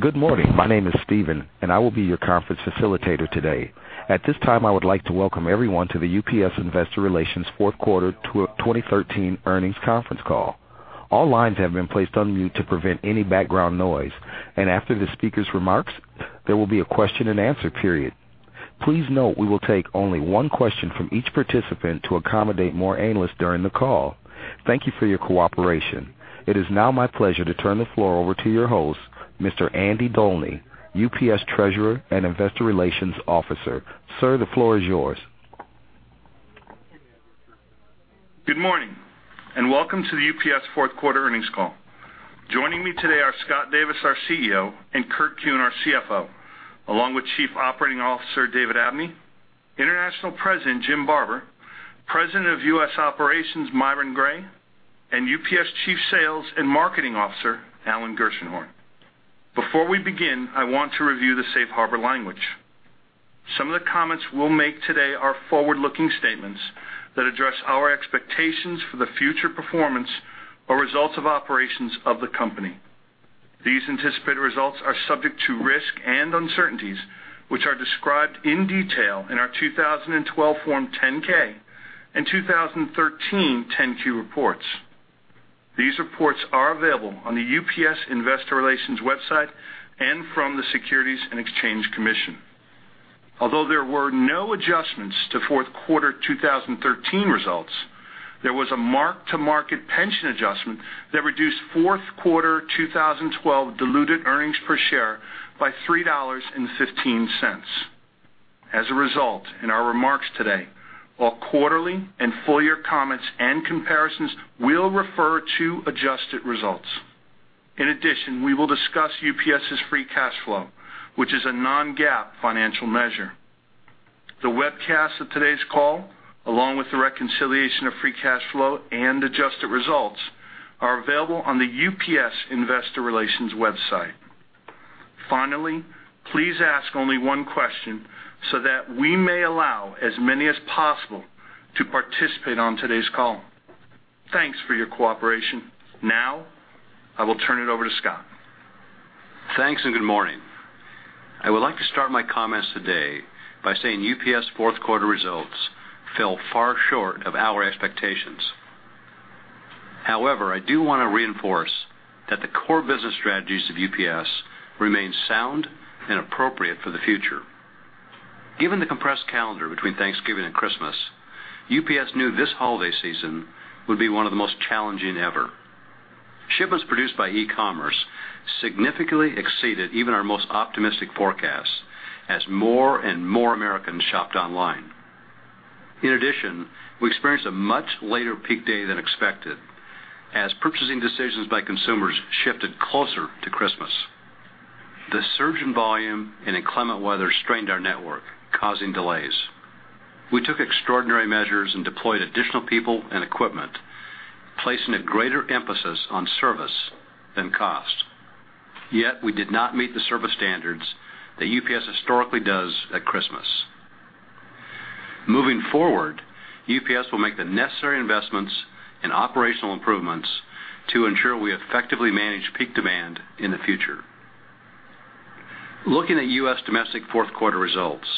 Good morning. My name is Steven, and I will be your conference facilitator today. At this time, I would like to welcome everyone to the UPS Investor Relations fourth quarter 2013 earnings conference call. All lines have been placed on mute to prevent any background noise, and after the speaker's remarks, there will be a question-and-answer period. Please note, we will take only one question from each participant to accommodate more analysts during the call. Thank you for your cooperation. It is now my pleasure to turn the floor over to your host, Mr. Andy Dolny, UPS Treasurer and Investor Relations Officer. Sir, the floor is yours. Good morning, and welcome to the UPS fourth quarter earnings call. Joining me today are Scott Davis, our CEO, and Kurt Kuehn, our CFO, along with Chief Operating Officer David Abney, International President Jim Barber, President of U.S. Operations Myron Gray, and UPS Chief Sales and Marketing Officer Alan Gershenhorn. Before we begin, I want to review the safe harbor language. Some of the comments we'll make today are forward-looking statements that address our expectations for the future performance or results of operations of the company. These anticipated results are subject to risk and uncertainties, which are described in detail in our 2012 Form 10-K and 2013 10-Q reports. These reports are available on the UPS Investor Relations website and from the Securities and Exchange Commission. Although there were no adjustments to fourth quarter 2013 results, there was a mark-to-market pension adjustment that reduced fourth quarter 2012 diluted earnings per share by $3.15. As a result, in our remarks today, all quarterly and full year comments and comparisons will refer to adjusted results. In addition, we will discuss UPS's free cash flow, which is a non-GAAP financial measure. The webcast of today's call, along with the reconciliation of free cash flow and adjusted results, are available on the UPS Investor Relations website. Finally, please ask only one question so that we may allow as many as possible to participate on today's call. Thanks for your cooperation. Now, I will turn it over to Scott. Thanks and good morning. I would like to start my comments today by saying UPS's fourth quarter results fell far short of our expectations. However, I do want to reinforce that the core business strategies of UPS remain sound and appropriate for the future. Given the compressed calendar between Thanksgiving and Christmas, UPS knew this holiday season would be one of the most challenging ever. Shipments produced by e-commerce significantly exceeded even our most optimistic forecasts as more and more Americans shopped online. In addition, we experienced a much later peak day than expected, as purchasing decisions by consumers shifted closer to Christmas. The surge in volume and inclement weather strained our network, causing delays. We took extraordinary measures and deployed additional people and equipment, placing a greater emphasis on service than cost. Yet we did not meet the service standards that UPS historically does at Christmas. Moving forward, UPS will make the necessary investments in operational improvements to ensure we effectively manage peak demand in the future. Looking at U.S. domestic fourth quarter results,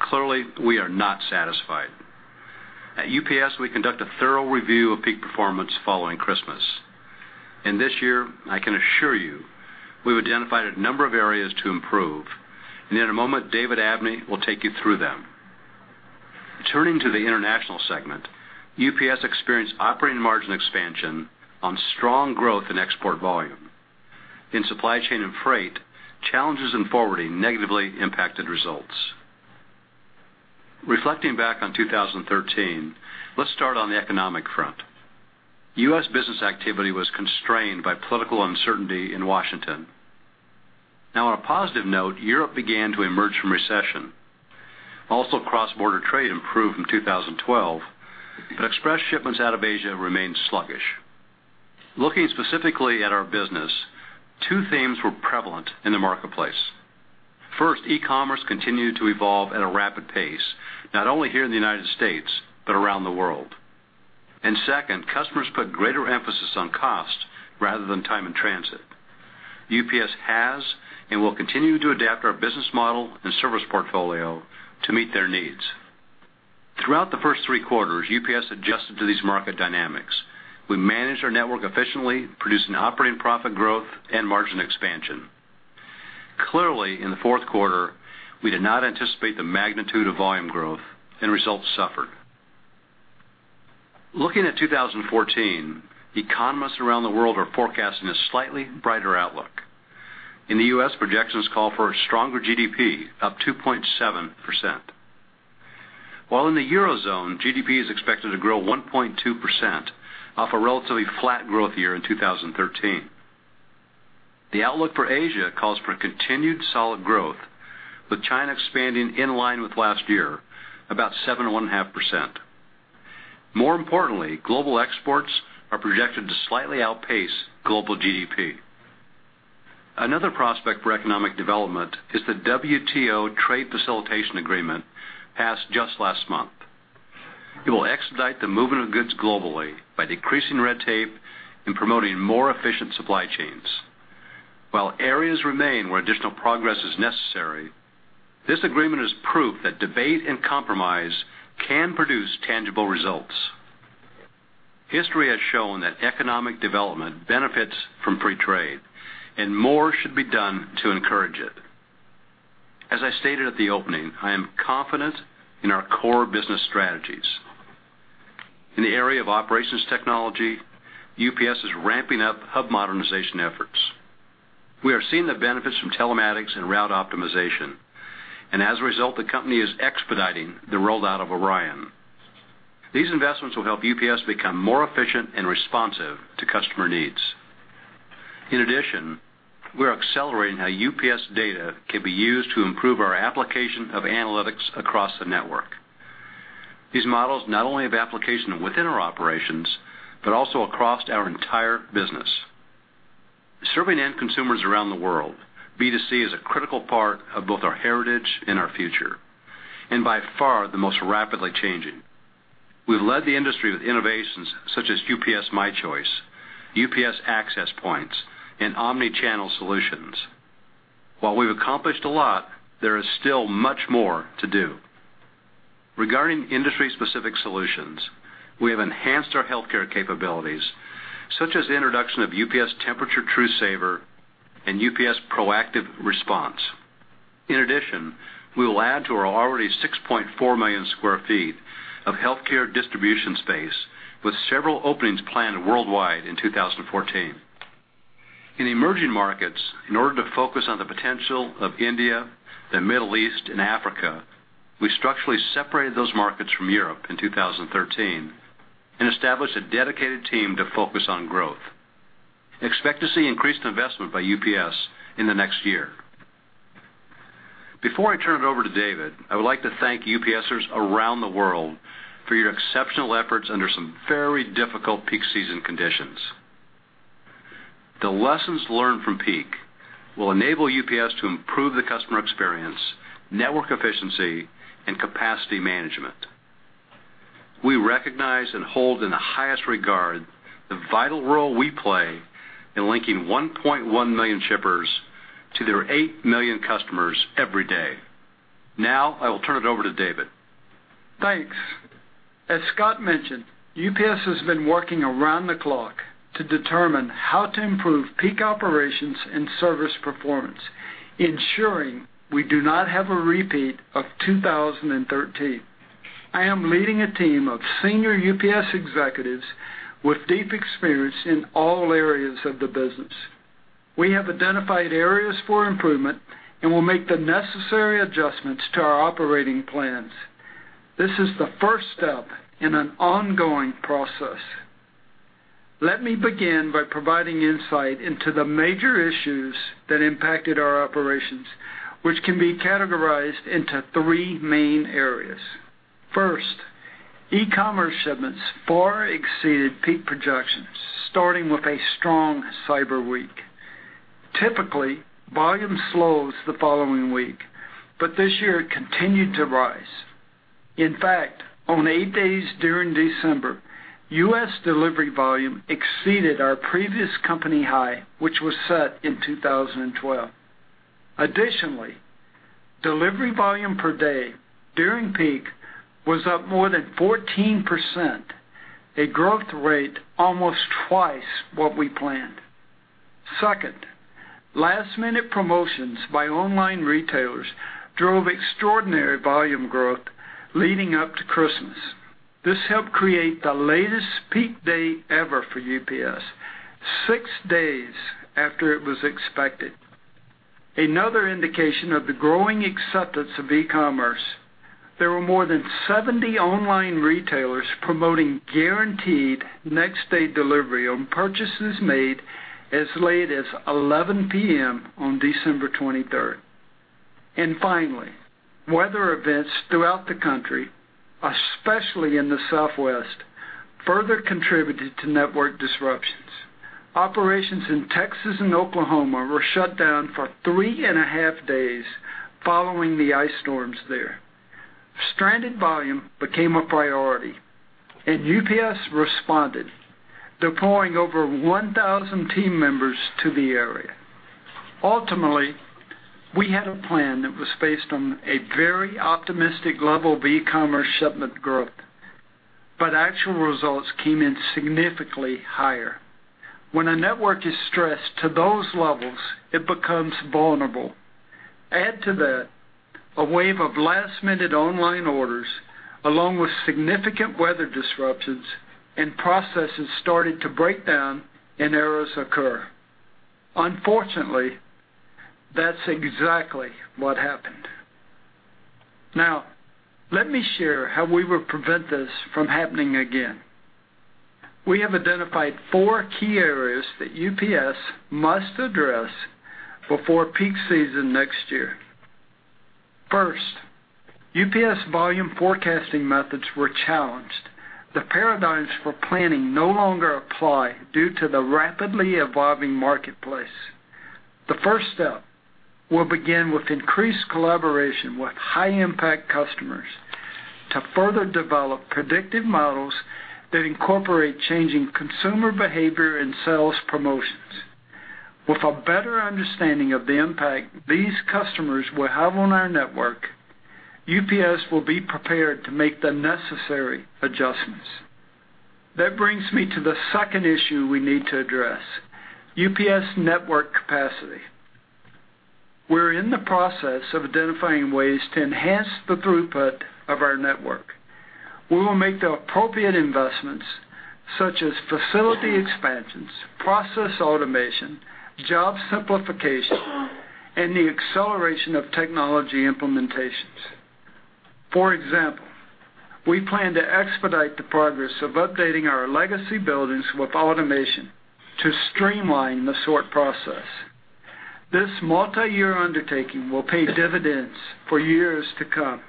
clearly we are not satisfied. At UPS, we conduct a thorough review of peak performance following Christmas, and this year, I can assure you, we've identified a number of areas to improve, and in a moment, David Abney will take you through them. Turning to the international segment, UPS experienced operating margin expansion on strong growth in export volume. In supply chain and freight, challenges in forwarding negatively impacted results. Reflecting back on 2013, let's start on the economic front. U.S. business activity was constrained by political uncertainty in Washington. Now, on a positive note, Europe began to emerge from recession. Also, cross-border trade improved from 2012, but express shipments out of Asia remained sluggish. Looking specifically at our business, two themes were prevalent in the marketplace. First, e-commerce continued to evolve at a rapid pace, not only here in the United States, but around the world. And second, customers put greater emphasis on cost rather than time in transit. UPS has and will continue to adapt our business model and service portfolio to meet their needs. Throughout the first three quarters, UPS adjusted to these market dynamics. We managed our network efficiently, producing operating profit growth and margin expansion. Clearly, in the fourth quarter, we did not anticipate the magnitude of volume growth and results suffered. Looking at 2014, economists around the world are forecasting a slightly brighter outlook. In the U.S., projections call for a stronger GDP, up 2.7%, while in the Eurozone, GDP is expected to grow 1.2% off a relatively flat growth year in 2013. The outlook for Asia calls for continued solid growth, with China expanding in line with last year, about 7.5%. More importantly, global exports are projected to slightly outpace global GDP. Another prospect for economic development is the WTO Trade Facilitation Agreement, passed just last month. It will expedite the movement of goods globally by decreasing red tape and promoting more efficient supply chains. While areas remain where additional progress is necessary, this agreement is proof that debate and compromise can produce tangible results. History has shown that economic development benefits from free trade, and more should be done to encourage it. As I stated at the opening, I am confident in our core business strategies. In the area of operations technology, UPS is ramping up hub modernization efforts. We are seeing the benefits from telematics and route optimization, and as a result, the company is expediting the rollout of ORION. These investments will help UPS become more efficient and responsive to customer needs. In addition, we are accelerating how UPS data can be used to improve our application of analytics across the network. These models not only have application within our operations, but also across our entire business. Serving end consumers around the world, B2C is a critical part of both our heritage and our future, and by far, the most rapidly changing. We've led the industry with innovations such as UPS My Choice, UPS Access Points, and omni-channel solutions. While we've accomplished a lot, there is still much more to do. Regarding industry-specific solutions, we have enhanced our healthcare capabilities, such as the introduction of UPS Temperature True Saver and UPS Proactive Response. In addition, we will add to our already 6.4 million sq ft of healthcare distribution space, with several openings planned worldwide in 2014. In emerging markets, in order to focus on the potential of India, the Middle East, and Africa, we structurally separated those markets from Europe in 2013 and established a dedicated team to focus on growth. Expect to see increased investment by UPS in the next year. Before I turn it over to David, I would like to thank UPSers around the world for your exceptional efforts under some very difficult peak season conditions. The lessons learned from Peak will enable UPS to improve the customer experience, network efficiency, and capacity management. We recognize and hold in the highest regard the vital role we play in linking 1.1 million shippers to their 8 million customers every day. Now, I will turn it over to David. Thanks. As Scott mentioned, UPS has been working around the clock to determine how to improve peak operations and service performance, ensuring we do not have a repeat of 2013. I am leading a team of senior UPS executives with deep experience in all areas of the business. We have identified areas for improvement and will make the necessary adjustments to our operating plans. This is the first step in an ongoing process. Let me begin by providing insight into the major issues that impacted our operations, which can be categorized into three main areas. First, e-commerce shipments far exceeded peak projections, starting with a strong Cyber Week. Typically, volume slows the following week, but this year, it continued to rise. In fact, on eight days during December, U.S. delivery volume exceeded our previous company high, which was set in 2012. Additionally, delivery volume per day during peak was up more than 14%, a growth rate almost twice what we planned. Second, last-minute promotions by online retailers drove extraordinary volume growth leading up to Christmas. This helped create the latest peak day ever for UPS, six days after it was expected. Another indication of the growing acceptance of e-commerce, there were more than 70 online retailers promoting guaranteed next-day delivery on purchases made as late as 11:00 P.M. on December 23rd. And finally, weather events throughout the country, especially in the Southwest, further contributed to network disruptions. Operations in Texas and Oklahoma were shut down for three and a half days following the ice storms there. Stranded volume became a priority, and UPS responded, deploying over 1,000 team members to the area. Ultimately, we had a plan that was based on a very optimistic level of e-commerce shipment growth, but actual results came in significantly higher. When a network is stressed to those levels, it becomes vulnerable. Add to that a wave of last-minute online orders, along with significant weather disruptions, and processes started to break down and errors occur. Unfortunately, that's exactly what happened. Now, let me share how we will prevent this from happening again. We have identified four key areas that UPS must address before peak season next year. First, UPS volume forecasting methods were challenged. The paradigms for planning no longer apply due to the rapidly evolving marketplace.... The first step will begin with increased collaboration with high-impact customers to further develop predictive models that incorporate changing consumer behavior and sales promotions. With a better understanding of the impact these customers will have on our network, UPS will be prepared to make the necessary adjustments. That brings me to the second issue we need to address, UPS network capacity. We're in the process of identifying ways to enhance the throughput of our network. We will make the appropriate investments, such as facility expansions, process automation, job simplification, and the acceleration of technology implementations. For example, we plan to expedite the progress of updating our legacy buildings with automation to streamline the sort process. This multiyear undertaking will pay dividends for years to come.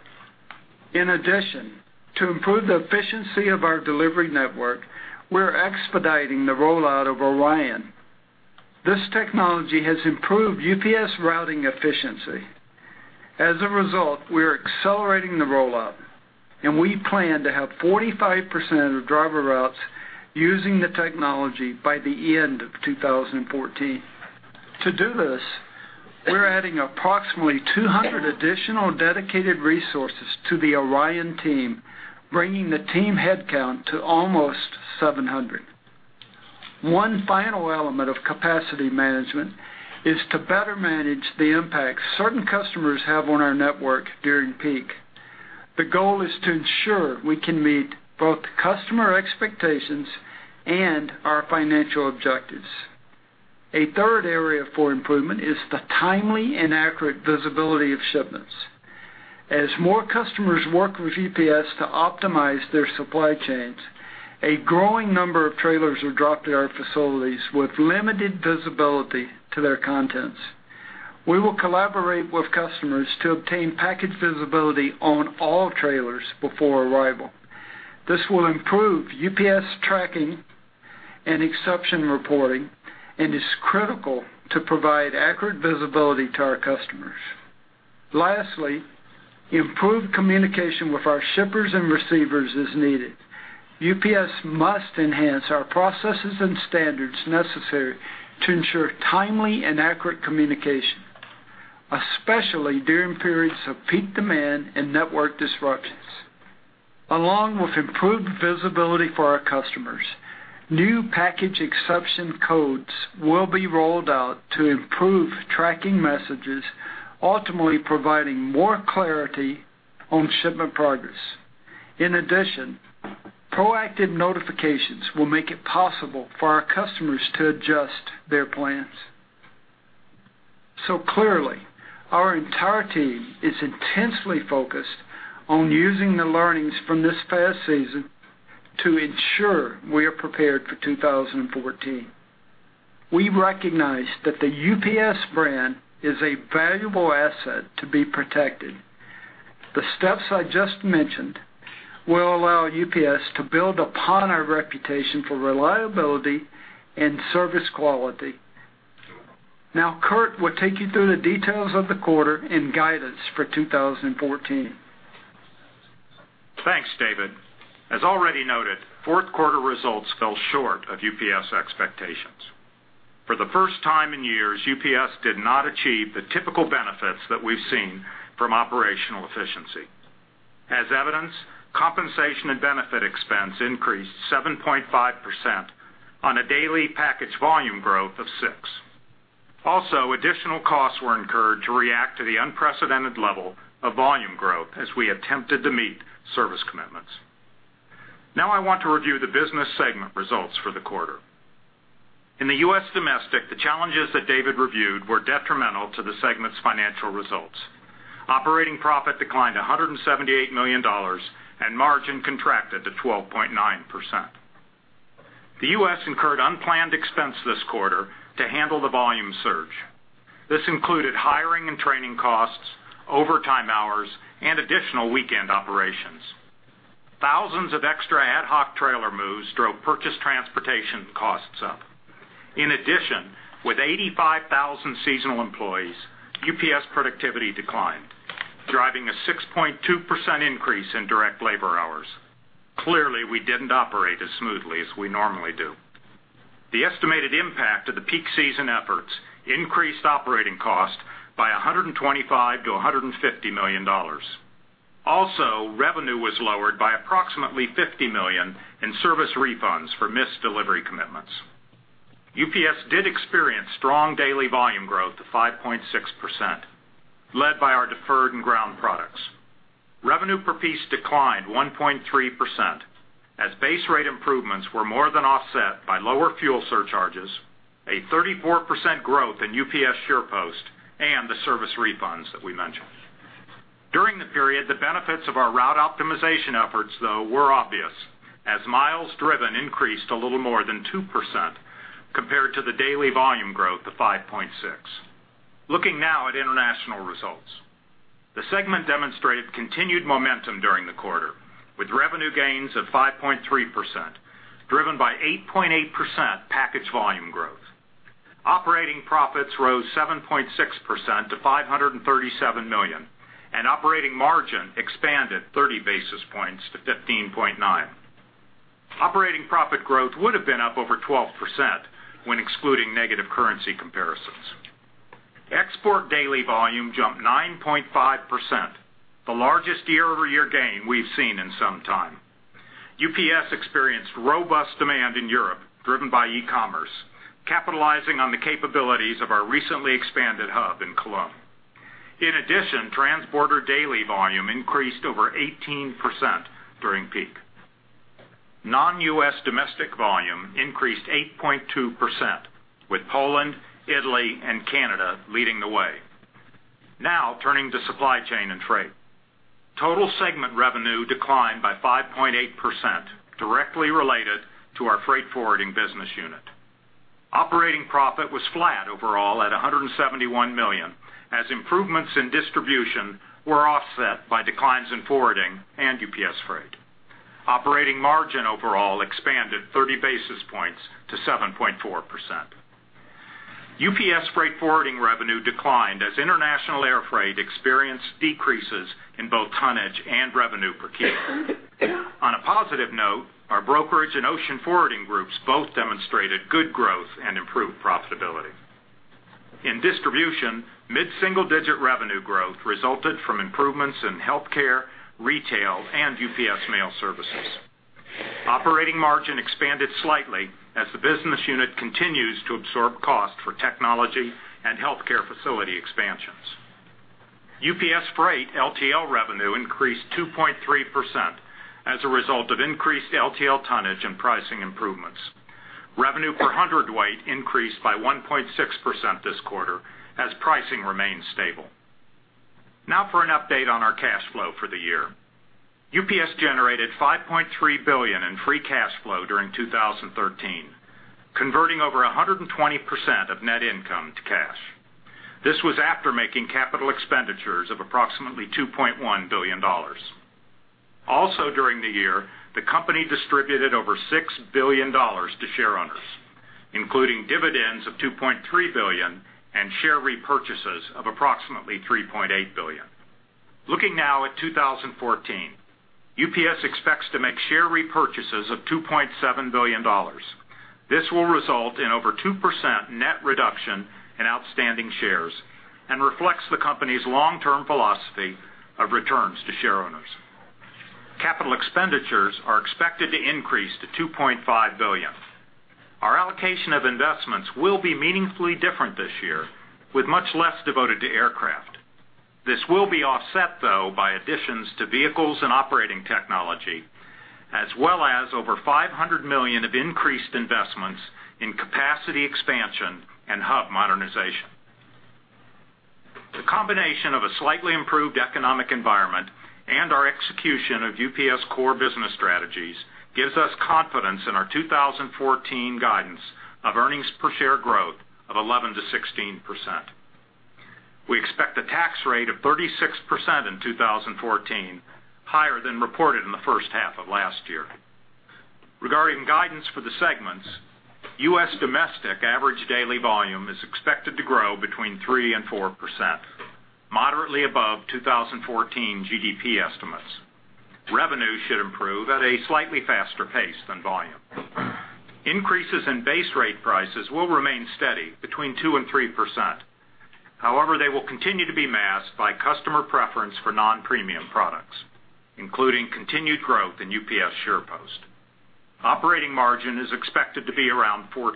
In addition, to improve the efficiency of our delivery network, we're expediting the rollout of ORION. This technology has improved UPS routing efficiency. As a result, we are accelerating the rollout, and we plan to have 45% of driver routes using the technology by the end of 2014. To do this, we're adding approximately 200 additional dedicated resources to the ORION team, bringing the team headcount to almost 700. One final element of capacity management is to better manage the impact certain customers have on our network during peak. The goal is to ensure we can meet both customer expectations and our financial objectives. A third area for improvement is the timely and accurate visibility of shipments. As more customers work with UPS to optimize their supply chains, a growing number of trailers are dropped at our facilities with limited visibility to their contents. We will collaborate with customers to obtain package visibility on all trailers before arrival. This will improve UPS tracking and exception reporting and is critical to provide accurate visibility to our customers. Lastly, improved communication with our shippers and receivers is needed. UPS must enhance our processes and standards necessary to ensure timely and accurate communication, especially during periods of peak demand and network disruptions. Along with improved visibility for our customers, new package exception codes will be rolled out to improve tracking messages, ultimately providing more clarity on shipment progress. In addition, proactive notifications will make it possible for our customers to adjust their plans. So clearly, our entire team is intensely focused on using the learnings from this past season to ensure we are prepared for 2014. We recognize that the UPS brand is a valuable asset to be protected. The steps I just mentioned will allow UPS to build upon our reputation for reliability and service quality. Now, Kurt will take you through the details of the quarter and guidance for 2014. Thanks, David. As already noted, fourth quarter results fell short of UPS expectations. For the first time in years, UPS did not achieve the typical benefits that we've seen from operational efficiency. As evidenced, compensation and benefit expense increased 7.5% on a daily package volume growth of 6. Also, additional costs were incurred to react to the unprecedented level of volume growth as we attempted to meet service commitments. Now I want to review the business segment results for the quarter. In the U.S. Domestic, the challenges that David reviewed were detrimental to the segment's financial results. Operating profit declined $178 million, and margin contracted to 12.9%. The U.S. incurred unplanned expense this quarter to handle the volume surge. This included hiring and training costs, overtime hours, and additional weekend operations. Thousands of extra ad hoc trailer moves drove purchase transportation costs up. In addition, with 85,000 seasonal employees, UPS productivity declined, driving a 6.2% increase in direct labor hours. Clearly, we didn't operate as smoothly as we normally do. The estimated impact of the peak season efforts increased operating cost by $125 million-$150 million. Also, revenue was lowered by approximately $50 million in service refunds for missed delivery commitments. UPS did experience strong daily volume growth of 5.6%, led by our deferred and ground products. Revenue per piece declined 1.3%, as base rate improvements were more than offset by lower fuel surcharges, a 34% growth in UPS SurePost, and the service refunds that we mentioned. During the period, the benefits of our route optimization efforts, though, were obvious, as miles driven increased a little more than 2% compared to the daily volume growth of 5.6. Looking now at international results. The segment demonstrated continued momentum during the quarter, with revenue gains of 5.3%, driven by 8.8% package volume growth. Operating profits rose 7.6% to $537 million, and operating margin expanded 30 basis points to 15.9%. Operating profit growth would have been up over 12% when excluding negative currency comparisons. Export daily volume jumped 9.5%, the largest year-over-year gain we've seen in some time. UPS experienced robust demand in Europe, driven by e-commerce, capitalizing on the capabilities of our recently expanded hub in Cologne. In addition, transborder daily volume increased over 18% during peak. Non-U.S. domestic volume increased 8.2%, with Poland, Italy, and Canada leading the way. Now, turning to Supply Chain and Freight. Total segment revenue declined by 5.8%, directly related to our freight forwarding business unit. Operating profit was flat overall at $171 million, as improvements in distribution were offset by declines in forwarding and UPS Freight. Operating margin overall expanded 30 basis points to 7.4%. UPS freight forwarding revenue declined as international air freight experienced decreases in both tonnage and revenue per kilo. On a positive note, our brokerage and ocean forwarding groups both demonstrated good growth and improved profitability. In distribution, mid-single-digit revenue growth resulted from improvements in healthcare, retail, and UPS mail services. Operating margin expanded slightly as the business unit continues to absorb cost for technology and healthcare facility expansions. UPS Freight LTL revenue increased 2.3% as a result of increased LTL tonnage and pricing improvements. Revenue per hundredweight increased by 1.6% this quarter as pricing remained stable. Now for an update on our cash flow for the year. UPS generated $5.3 billion in free cash flow during 2013, converting over 120% of net income to cash. This was after making capital expenditures of approximately $2.1 billion. Also, during the year, the company distributed over $6 billion to shareowners, including dividends of $2.3 billion and share repurchases of approximately $3.8 billion. Looking now at 2014, UPS expects to make share repurchases of $2.7 billion. This will result in over 2% net reduction in outstanding shares and reflects the company's long-term philosophy of returns to shareowners. Capital expenditures are expected to increase to $2.5 billion. Our allocation of investments will be meaningfully different this year, with much less devoted to aircraft. This will be offset, though, by additions to vehicles and operating technology, as well as over $500 million of increased investments in capacity expansion and hub modernization. The combination of a slightly improved economic environment and our execution of UPS core business strategies gives us confidence in our 2014 guidance of earnings per share growth of 11%-16%. We expect a tax rate of 36% in 2014, higher than reported in the first half of last year. Regarding guidance for the segments, U.S. domestic average daily volume is expected to grow between 3% and 4%, moderately above 2014 GDP estimates. Revenue should improve at a slightly faster pace than volume. Increases in base rate prices will remain steady between 2% and 3%. However, they will continue to be masked by customer preference for non-premium products, including continued growth in UPS SurePost. Operating margin is expected to be around 14%.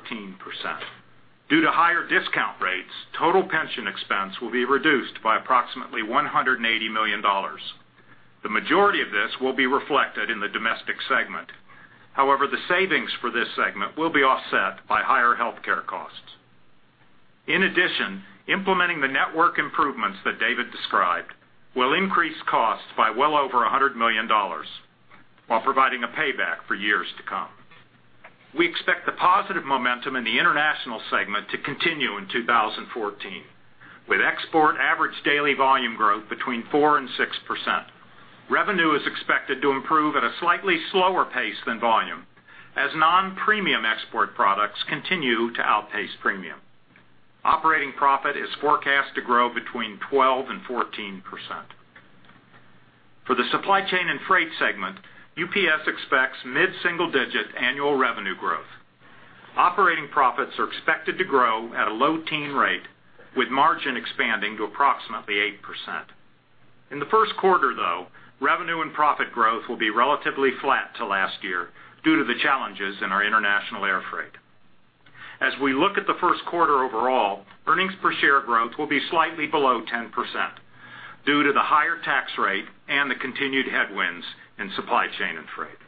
Due to higher discount rates, total pension expense will be reduced by approximately $180 million. The majority of this will be reflected in the domestic segment. However, the savings for this segment will be offset by higher healthcare costs. In addition, implementing the network improvements that David described will increase costs by well over $100 million while providing a payback for years to come. We expect the positive momentum in the international segment to continue in 2014, with export average daily volume growth between 4% and 6%. Revenue is expected to improve at a slightly slower pace than volume, as non-premium export products continue to outpace premium. Operating profit is forecast to grow between 12% and 14%. For the Supply Chain and Freight segment, UPS expects mid-single-digit annual revenue growth. Operating profits are expected to grow at a low-teens rate, with margin expanding to approximately 8%. In the first quarter, though, revenue and profit growth will be relatively flat to last year due to the challenges in our international air freight. As we look at the first quarter overall, earnings per share growth will be slightly below 10% due to the higher tax rate and the continued headwinds in Supply Chain and Freight.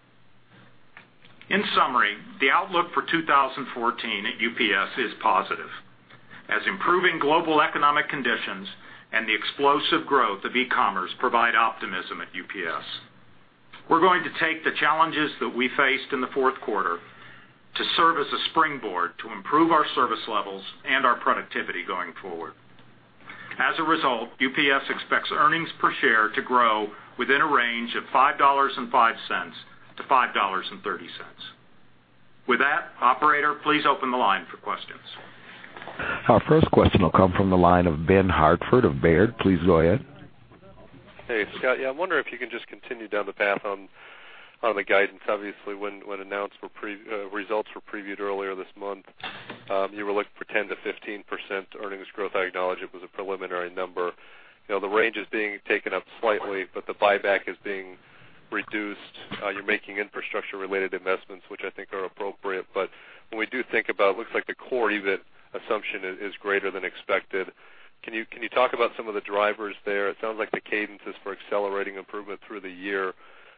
In summary, the outlook for 2014 at UPS is positive, as improving global economic conditions and the explosive growth of e-commerce provide optimism at UPS. We're going to take the challenges that we faced in the fourth quarter to serve as a springboard to improve our service levels and our productivity going forward. As a result, UPS expects earnings per share to grow within a range of $5.05-$5.30. With that, operator, please open the line for questions. Our first question will come from the line of Ben Hartford of Baird. Please go ahead. Hey, Scott. Yeah, I wonder if you can just continue down the path on the guidance. Obviously, when announced, results were previewed earlier this month, you were looking for 10%-15% earnings growth. I acknowledge it was a preliminary number. You know, the range is being taken up slightly, but the buyback is being reduced. You're making infrastructure-related investments, which I think are appropriate. But when we do think about, it looks like the core EBIT assumption is greater than expected. Can you talk about some of the drivers there? It sounds like the cadence is for accelerating improvement through the year.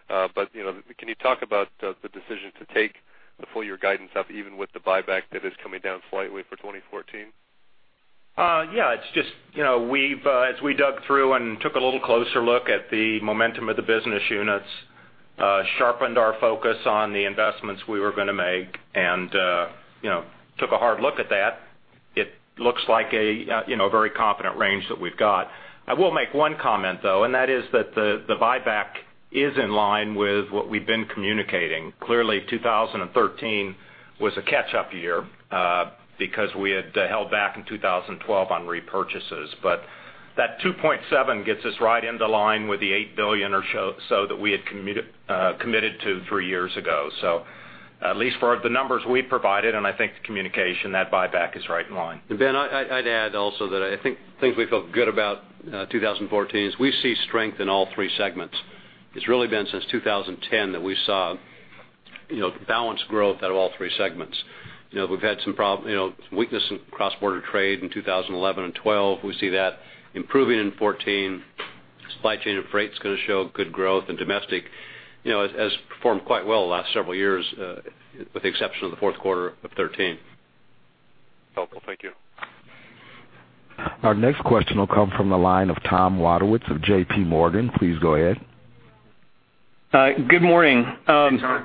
But, you know, can you talk about the decision to take the full year guidance up, even with the buyback that is coming down slightly for 2014? Yeah, it's just, you know, we've as we dug through and took a little closer look at the momentum of the business units, sharpened our focus on the investments we were going to make, and, you know, took a hard look at that. It looks like a, you know, very confident range that we've got. I will make one comment, though, and that is that the, the buyback is in line with what we've been communicating. Clearly, 2013 was a catch-up year, because we had held back in 2012 on repurchases. But that $2.7 billion gets us right into line with the $8 billion or so, so that we had committed to three years ago. So at least for the numbers we provided, and I think the communication, that buyback is right in line. Ben, I'd add also that I think things we feel good about, 2014 is we see strength in all three segments. It's really been since 2010 that we saw, you know, balanced growth out of all three segments. You know, we've had some problem, you know, some weakness in cross-border trade in 2011 and 12. We see that improving in 2014. Supply Chain and Freight is going to show good growth, and domestic, you know, has, has performed quite well the last several years, with the exception of the fourth quarter of 2013. Helpful. Thank you. Our next question will come from the line of Tom Wadewitz of J.P. Morgan. Please go ahead. Good morning. So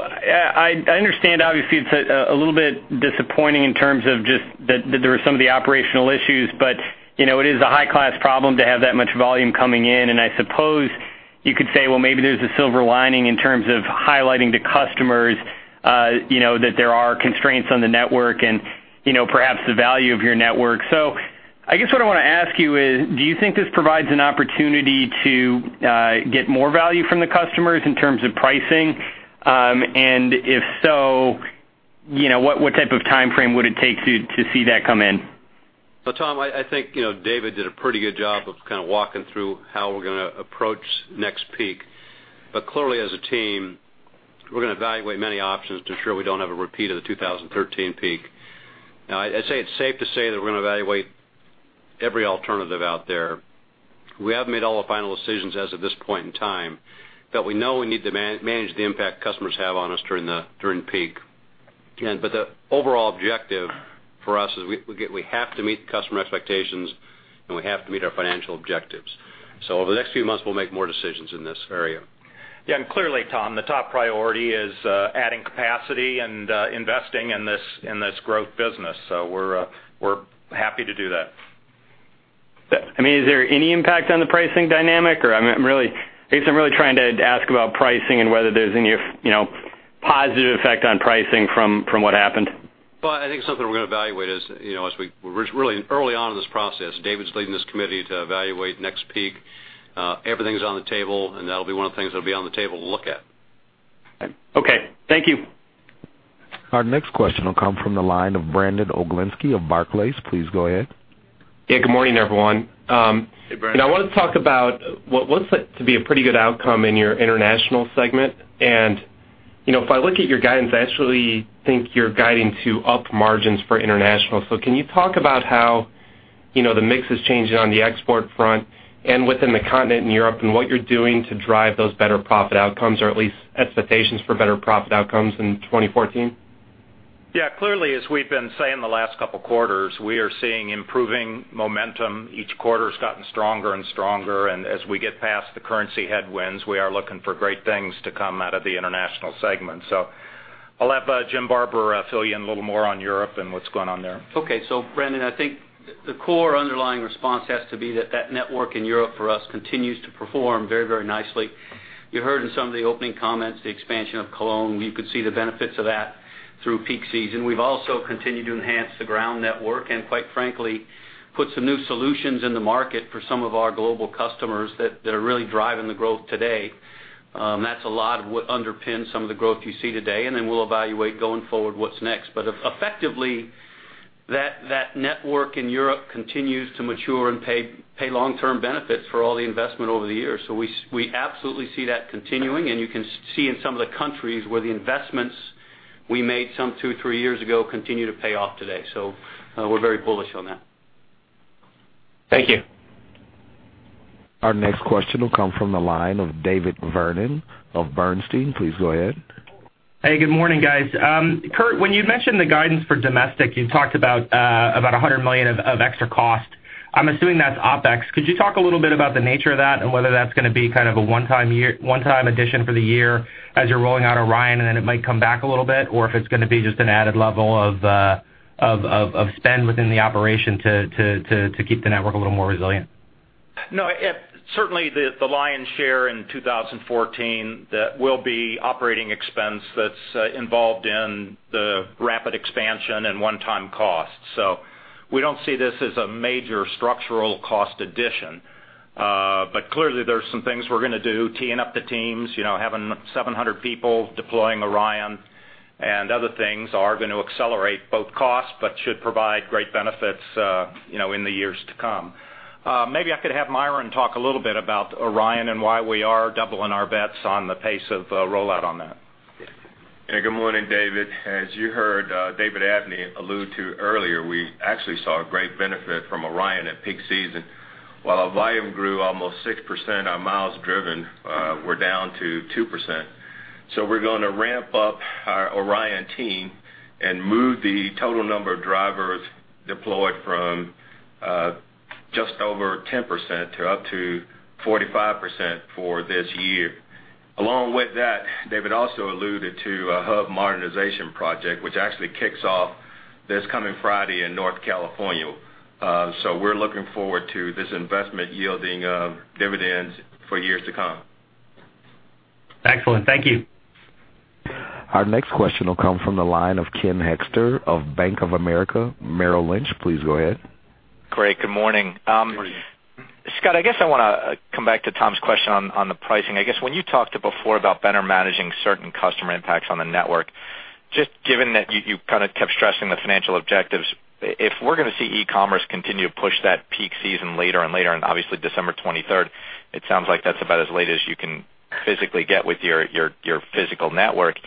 I understand, obviously, it's a little bit disappointing in terms of just that there are some of the operational issues, but, you know, it is a high-class problem to have that much volume coming in. And I suppose you could say, well, maybe there's a silver lining in terms of highlighting to customers, you know, that there are constraints on the network and, you know, perhaps the value of your network. So I guess what I want to ask you is, do you think this provides an opportunity to get more value from the customers in terms of pricing? And if so, you know, what type of time frame would it take to see that come in? So, Tom, I think, you know, David did a pretty good job of kind of walking through how we're going to approach next peak. But clearly, as a team, we're going to evaluate many options to ensure we don't have a repeat of the 2013 peak. Now, I'd say it's safe to say that we're going to evaluate every alternative out there. We haven't made all the final decisions as of this point in time, but we know we need to man-manage the impact customers have on us during the, during peak. But the overall objective for us is we have to meet customer expectations, and we have to meet our financial objectives. So over the next few months, we'll make more decisions in this area. Yeah, and clearly, Tom, the top priority is adding capacity and investing in this growth business, so we're happy to do that. I mean, is there any impact on the pricing dynamic? Or I'm really, I guess I'm really trying to ask about pricing and whether there's any, you know, positive effect on pricing from what happened. Well, I think something we're going to evaluate is, you know, as we... We're really early on in this process. David's leading this committee to evaluate next peak. Everything's on the table, and that'll be one of the things that'll be on the table to look at. Okay. Thank you. Our next question will come from the line of Brandon Oglenski of Barclays. Please go ahead. Yeah, good morning, everyone. Hey, Brandon. I want to talk about what looks to be a pretty good outcome in your international segment. You know, if I look at your guidance, I actually think you're guiding to up margins for international. Can you talk about how, you know, the mix is changing on the export front and within the continent in Europe, and what you're doing to drive those better profit outcomes, or at least expectations for better profit outcomes in 2014? Yeah, clearly, as we've been saying the last couple of quarters, we are seeing improving momentum. Each quarter has gotten stronger and stronger, and as we get past the currency headwinds, we are looking for great things to come out of the international segment. So I'll let Jim Barber fill you in a little more on Europe and what's going on there. Okay. So Brandon, I think the core underlying response has to be that network in Europe for us continues to perform very, very nicely. You heard in some of the opening comments, the expansion of Cologne. We could see the benefits of that through peak season. We've also continued to enhance the ground network and, quite frankly, put some new solutions in the market for some of our global customers that are really driving the growth today. That's a lot of what underpins some of the growth you see today, and then we'll evaluate going forward what's next. But effectively, that network in Europe continues to mature and pay long-term benefits for all the investment over the years. So we absolutely see that continuing, and you can see in some of the countries where the investments we made some 2, 3 years ago continue to pay off today. So, we're very bullish on that. Thank you. Our next question will come from the line of David Vernon of Bernstein. Please go ahead. Hey, good morning, guys. Kurt, when you mentioned the guidance for domestic, you talked about $100 million of extra cost. I'm assuming that's OpEx. Could you talk a little bit about the nature of that and whether that's gonna be kind of a one-time addition for the year as you're rolling out Orion, and then it might come back a little bit, or if it's gonna be just an added level of spend within the operation to keep the network a little more resilient? No, certainly, the lion's share in 2014, that will be operating expense that's involved in the rapid expansion and one-time cost. So we don't see this as a major structural cost addition. But clearly, there are some things we're gonna do, teeing up the teams, you know, having 700 people deploying Orion and other things are gonna accelerate both costs, but should provide great benefits, you know, in the years to come. Maybe I could have Myron talk a little bit about Orion and why we are doubling our bets on the pace of rollout on that. Hey, good morning, David. As you heard, David Abney allude to earlier, we actually saw a great benefit from ORION at peak season. While our volume grew almost 6%, our miles driven were down 2%. So we're gonna ramp up our ORION team and move the total number of drivers deployed from just over 10% to up to 45% for this year. Along with that, David also alluded to a hub modernization project, which actually kicks off this coming Friday in North Bay, California. So we're looking forward to this investment yielding dividends for years to come. Excellent. Thank you. Our next question will come from the line of Ken Hoexter of Bank of America Merrill Lynch. Please go ahead. Great. Good morning. Good morning. Scott, I guess I wanna come back to Tom's question on the pricing. I guess when you talked before about better managing certain customer impacts on the network, just given that you kind of kept stressing the financial objectives, if we're gonna see e-commerce continue to push that peak season later and later, and obviously December 23rd, it sounds like that's about as late as you can physically get with your physical network.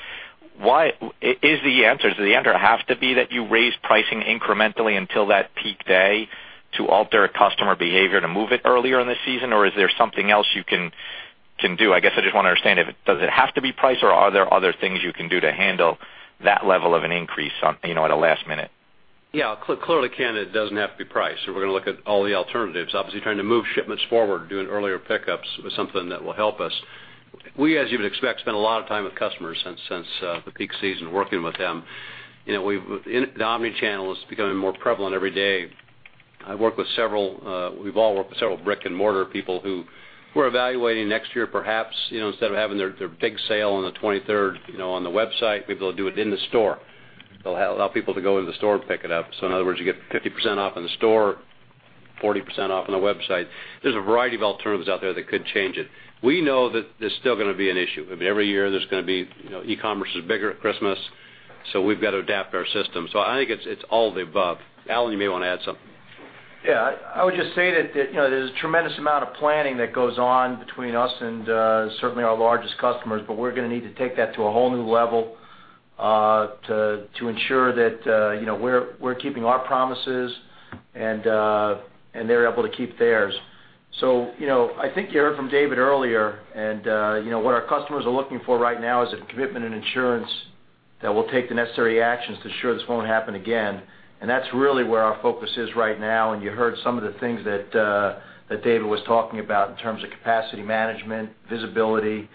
Why is the answer, does the answer have to be that you raise pricing incrementally until that peak day to alter a customer behavior to move it earlier in the season? Or is there something else you can do? I guess I just want to understand, does it have to be price, or are there other things you can do to handle that level of an increase on, you know, at a last minute? Yeah, clearly, Ken, it doesn't have to be price, so we're gonna look at all the alternatives. Obviously, trying to move shipments forward, doing earlier pickups is something that will help us. We, as you would expect, spend a lot of time with customers since the peak season, working with them. You know, in the omni-channel is becoming more prevalent every day. I work with several, we've all worked with several brick-and-mortar people who are evaluating next year, perhaps, you know, instead of having their big sale on the 23rd, you know, on the website, maybe they'll do it in the store. They'll allow people to go into the store and pick it up. So in other words, you get 50% off in the store, 40% off on the website. There's a variety of alternatives out there that could change it. We know that there's still gonna be an issue. Every year, there's gonna be, you know, e-commerce is bigger at Christmas, so we've got to adapt our system. So I think it's all the above. Alan, you may want to add something. Yeah. I would just say that you know, there's a tremendous amount of planning that goes on between us and certainly our largest customers, but we're gonna need to take that to a whole new level to ensure that you know, we're keeping our promises and they're able to keep theirs. So, you know, I think you heard from David earlier, and you know, what our customers are looking for right now is a commitment and assurance that we'll take the necessary actions to ensure this won't happen again. And that's really where our focus is right now. And you heard some of the things that David was talking about in terms of capacity management, visibility,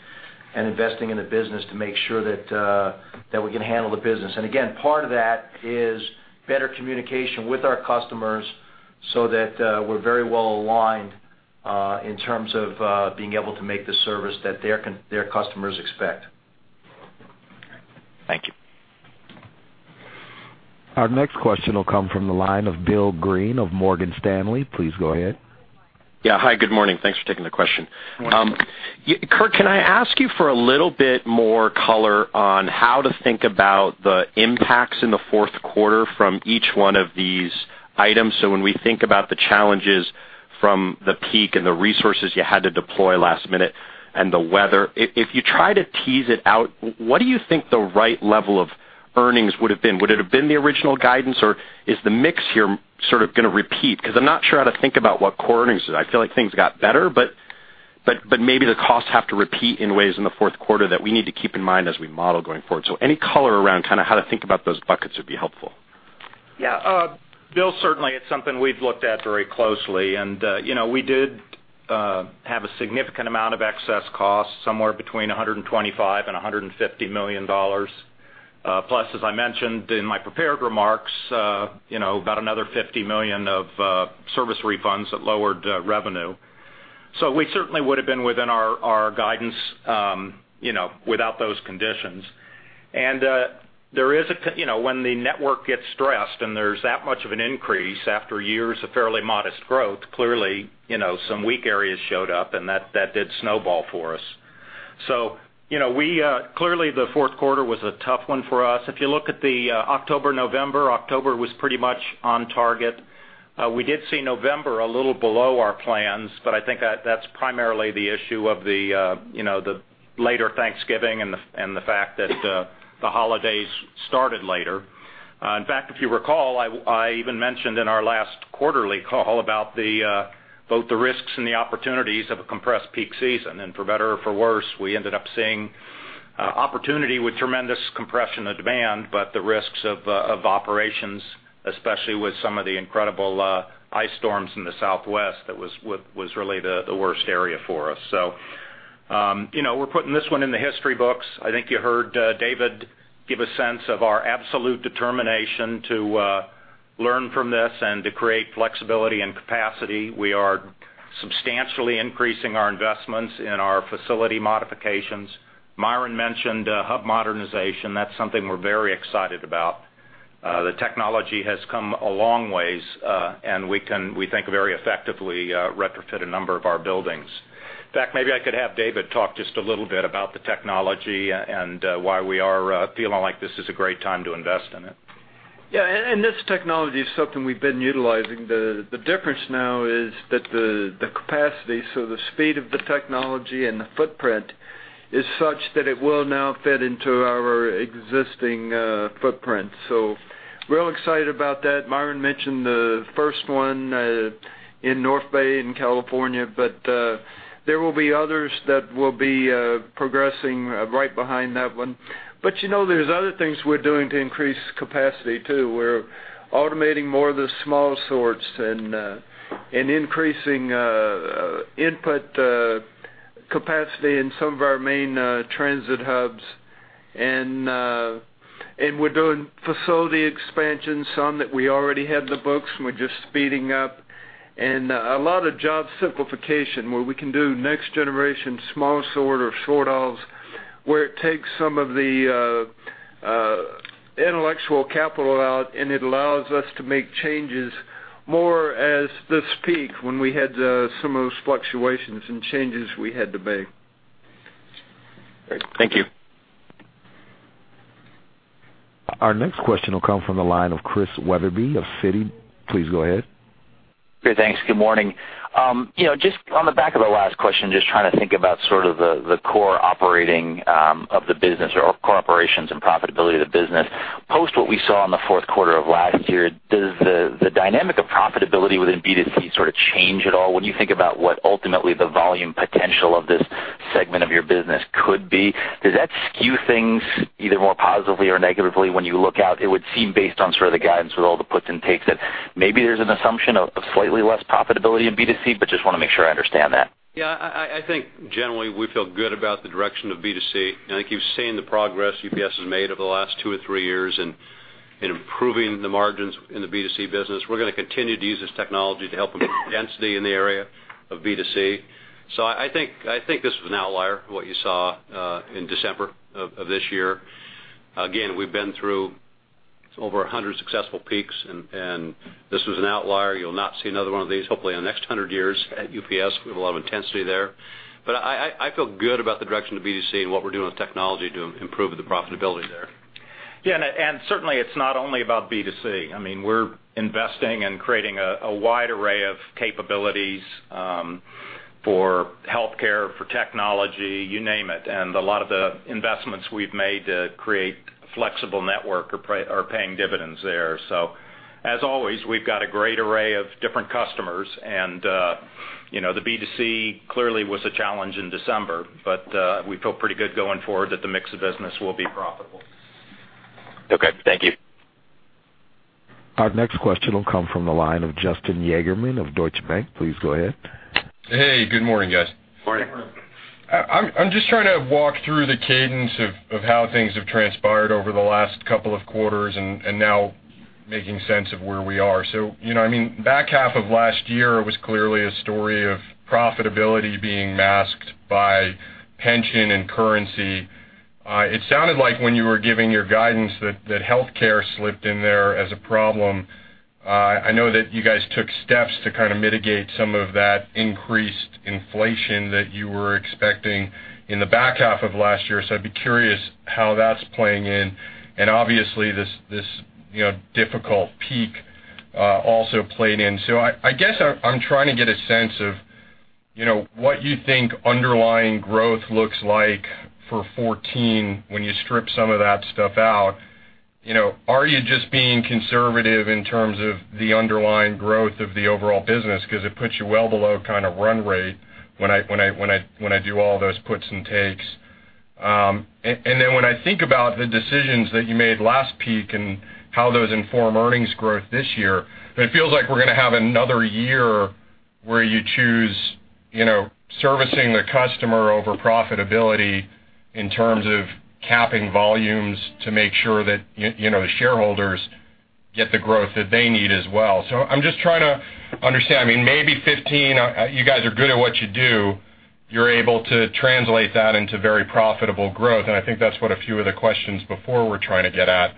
and investing in the business to make sure that we can handle the business. And again, part of that is better communication with our customers so that we're very well aligned in terms of being able to make the service that their customers expect. Thank you. Our next question will come from the line of Bill Greene of Morgan Stanley. Please go ahead. Yeah. Hi, good morning. Thanks for taking the question. Good morning. Kurt, can I ask you for a little bit more color on how to think about the impacts in the fourth quarter from each one of these items? So when we think about the challenges from the peak and the resources you had to deploy last minute and the weather, if you try to tease it out, what do you think the right level of earnings would have been? Would it have been the original guidance, or is the mix here sort of gonna repeat? Because I'm not sure how to think about what core earnings is. I feel like things got better, but maybe the costs have to repeat in ways in the fourth quarter that we need to keep in mind as we model going forward. So any color around kind of how to think about those buckets would be helpful. Yeah. Bill, certainly, it's something we've looked at very closely. And, you know, we did have a significant amount of excess costs, somewhere between $125 million and $150 million. Plus, as I mentioned in my prepared remarks, you know, about another $50 million of service refunds that lowered revenue. So we certainly would have been within our, our guidance, you know, without those conditions. And, there is a—you know, when the network gets stressed and there's that much of an increase after years of fairly modest growth, clearly, you know, some weak areas showed up, and that, that did snowball for us. So, you know, we, clearly, the fourth quarter was a tough one for us. If you look at the October, November, October was pretty much on target. We did see November a little below our plans, but I think that—that's primarily the issue of the, you know, the later Thanksgiving and the, and the fact that, the holidays started later. In fact, if you recall, I, I even mentioned in our last quarterly call about the, both the risks and the opportunities of a compressed peak season. And for better or for worse, we ended up seeing, opportunity with tremendous compression of demand, but the risks of, of operations, especially with some of the incredible, ice storms in the Southwest, that was what was really the, the worst area for us. So, you know, we're putting this one in the history books. I think you heard, David give a sense of our absolute determination to, learn from this and to create flexibility and capacity. We are substantially increasing our investments in our facility modifications. Myron mentioned hub modernization. That's something we're very excited about. The technology has come a long ways, and we can, we think, very effectively retrofit a number of our buildings. In fact, maybe I could have David talk just a little bit about the technology and why we are feeling like this is a great time to invest in it. Yeah, and this technology is something we've been utilizing. The difference now is that the capacity, so the speed of the technology and the footprint, is such that it will now fit into our existing footprint. So real excited about that. Myron mentioned the first one in North Bay in California, but there will be others that will be progressing right behind that one. But, you know, there's other things we're doing to increase capacity, too. We're automating more of the small sorts and increasing input capacity in some of our main transit hubs. And we're doing facility expansions, some that we already had in the books, and we're just speeding up. A lot of job simplification, where we can do next-generation small sort or short hauls, where it takes some of the intellectual capital out, and it allows us to make changes more as this peak, when we had some of those fluctuations and changes we had to make. Great. Thank you. Our next question will come from the line of Chris Wetherbee of Citi. Please go ahead. Great, thanks. Good morning. You know, just on the back of the last question, just trying to think about sort of the core operating of the business or core operations and profitability of the business. Post what we saw in the fourth quarter of last year, does the dynamic of profitability within B2C sort of change at all? When you think about what ultimately the volume potential of this segment of your business could be, does that skew things either more positively or negatively when you look out? It would seem based on sort of the guidance with all the puts and takes, that maybe there's an assumption of slightly less profitability in B2C, but just want to make sure I understand that. Yeah, I think generally, we feel good about the direction of B2C. And I think you've seen the progress UPS has made over the last two or three years in improving the margins in the B2C business. We're going to continue to use this technology to help with density in the area of B2C. So I think this was an outlier, what you saw in December of this year. Again, we've been through over 100 successful peaks, and this was an outlier. You'll not see another one of these, hopefully, in the next 100 years at UPS. We have a lot of intensity there. But I feel good about the direction of B2C and what we're doing with technology to improve the profitability there. Yeah, certainly, it's not only about B2C. I mean, we're investing and creating a wide array of capabilities for healthcare, for technology, you name it. And a lot of the investments we've made to create flexible network are paying dividends there. So as always, we've got a great array of different customers, and you know, the B2C clearly was a challenge in December, but we feel pretty good going forward that the mix of business will be profitable. Okay. Thank you. Our next question will come from the line of Justin Yagerman of Deutsche Bank. Please go ahead. Hey, good morning, guys. Morning. Good morning. I'm just trying to walk through the cadence of how things have transpired over the last couple of quarters, and now making sense of where we are. So, you know, I mean, back half of last year was clearly a story of profitability being masked by pension and currency. It sounded like when you were giving your guidance that healthcare slipped in there as a problem. I know that you guys took steps to kind of mitigate some of that increased inflation that you were expecting in the back half of last year, so I'd be curious how that's playing in. And obviously, this you know, difficult peak also played in. So I guess I'm trying to get a sense of, you know, what you think underlying growth looks like for 2014 when you strip some of that stuff out. You know, are you just being conservative in terms of the underlying growth of the overall business? Because it puts you well below kind of run rate when I do all those puts and takes. And then when I think about the decisions that you made last peak and how those inform earnings growth this year, it feels like we're going to have another year where you choose, you know, servicing the customer over profitability in terms of capping volumes to make sure that, you know, the shareholders get the growth that they need as well. So I'm just trying to understand. I mean, maybe 2015, you guys are good at what you do, you're able to translate that into very profitable growth, and I think that's what a few of the questions before were trying to get at.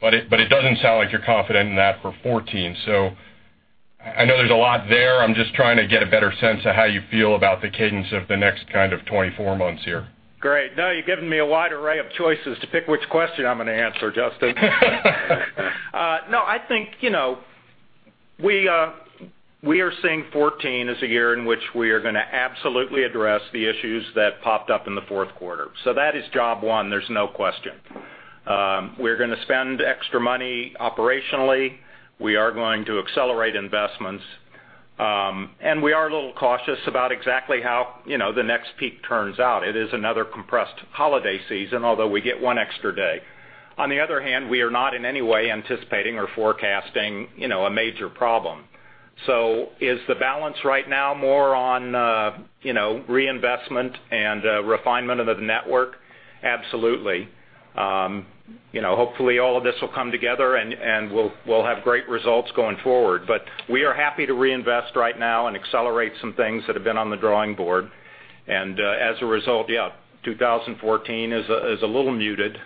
But it doesn't sound like you're confident in that for 2014. So I know there's a lot there. I'm just trying to get a better sense of how you feel about the cadence of the next kind of 24 months here. Great. Now you've given me a wide array of choices to pick which question I'm going to answer, Justin. No, I think, you know- ...We, we are seeing 2014 as a year in which we are going to absolutely address the issues that popped up in the fourth quarter. So that is job one, there's no question. We're going to spend extra money operationally. We are going to accelerate investments, and we are a little cautious about exactly how, you know, the next peak turns out. It is another compressed holiday season, although we get one extra day. On the other hand, we are not in any way anticipating or forecasting, you know, a major problem. So is the balance right now more on, you know, reinvestment and refinement of the network? Absolutely. You know, hopefully, all of this will come together, and we'll have great results going forward. But we are happy to reinvest right now and accelerate some things that have been on the drawing board. And, as a result, yeah, 2014 is a, is a little muted,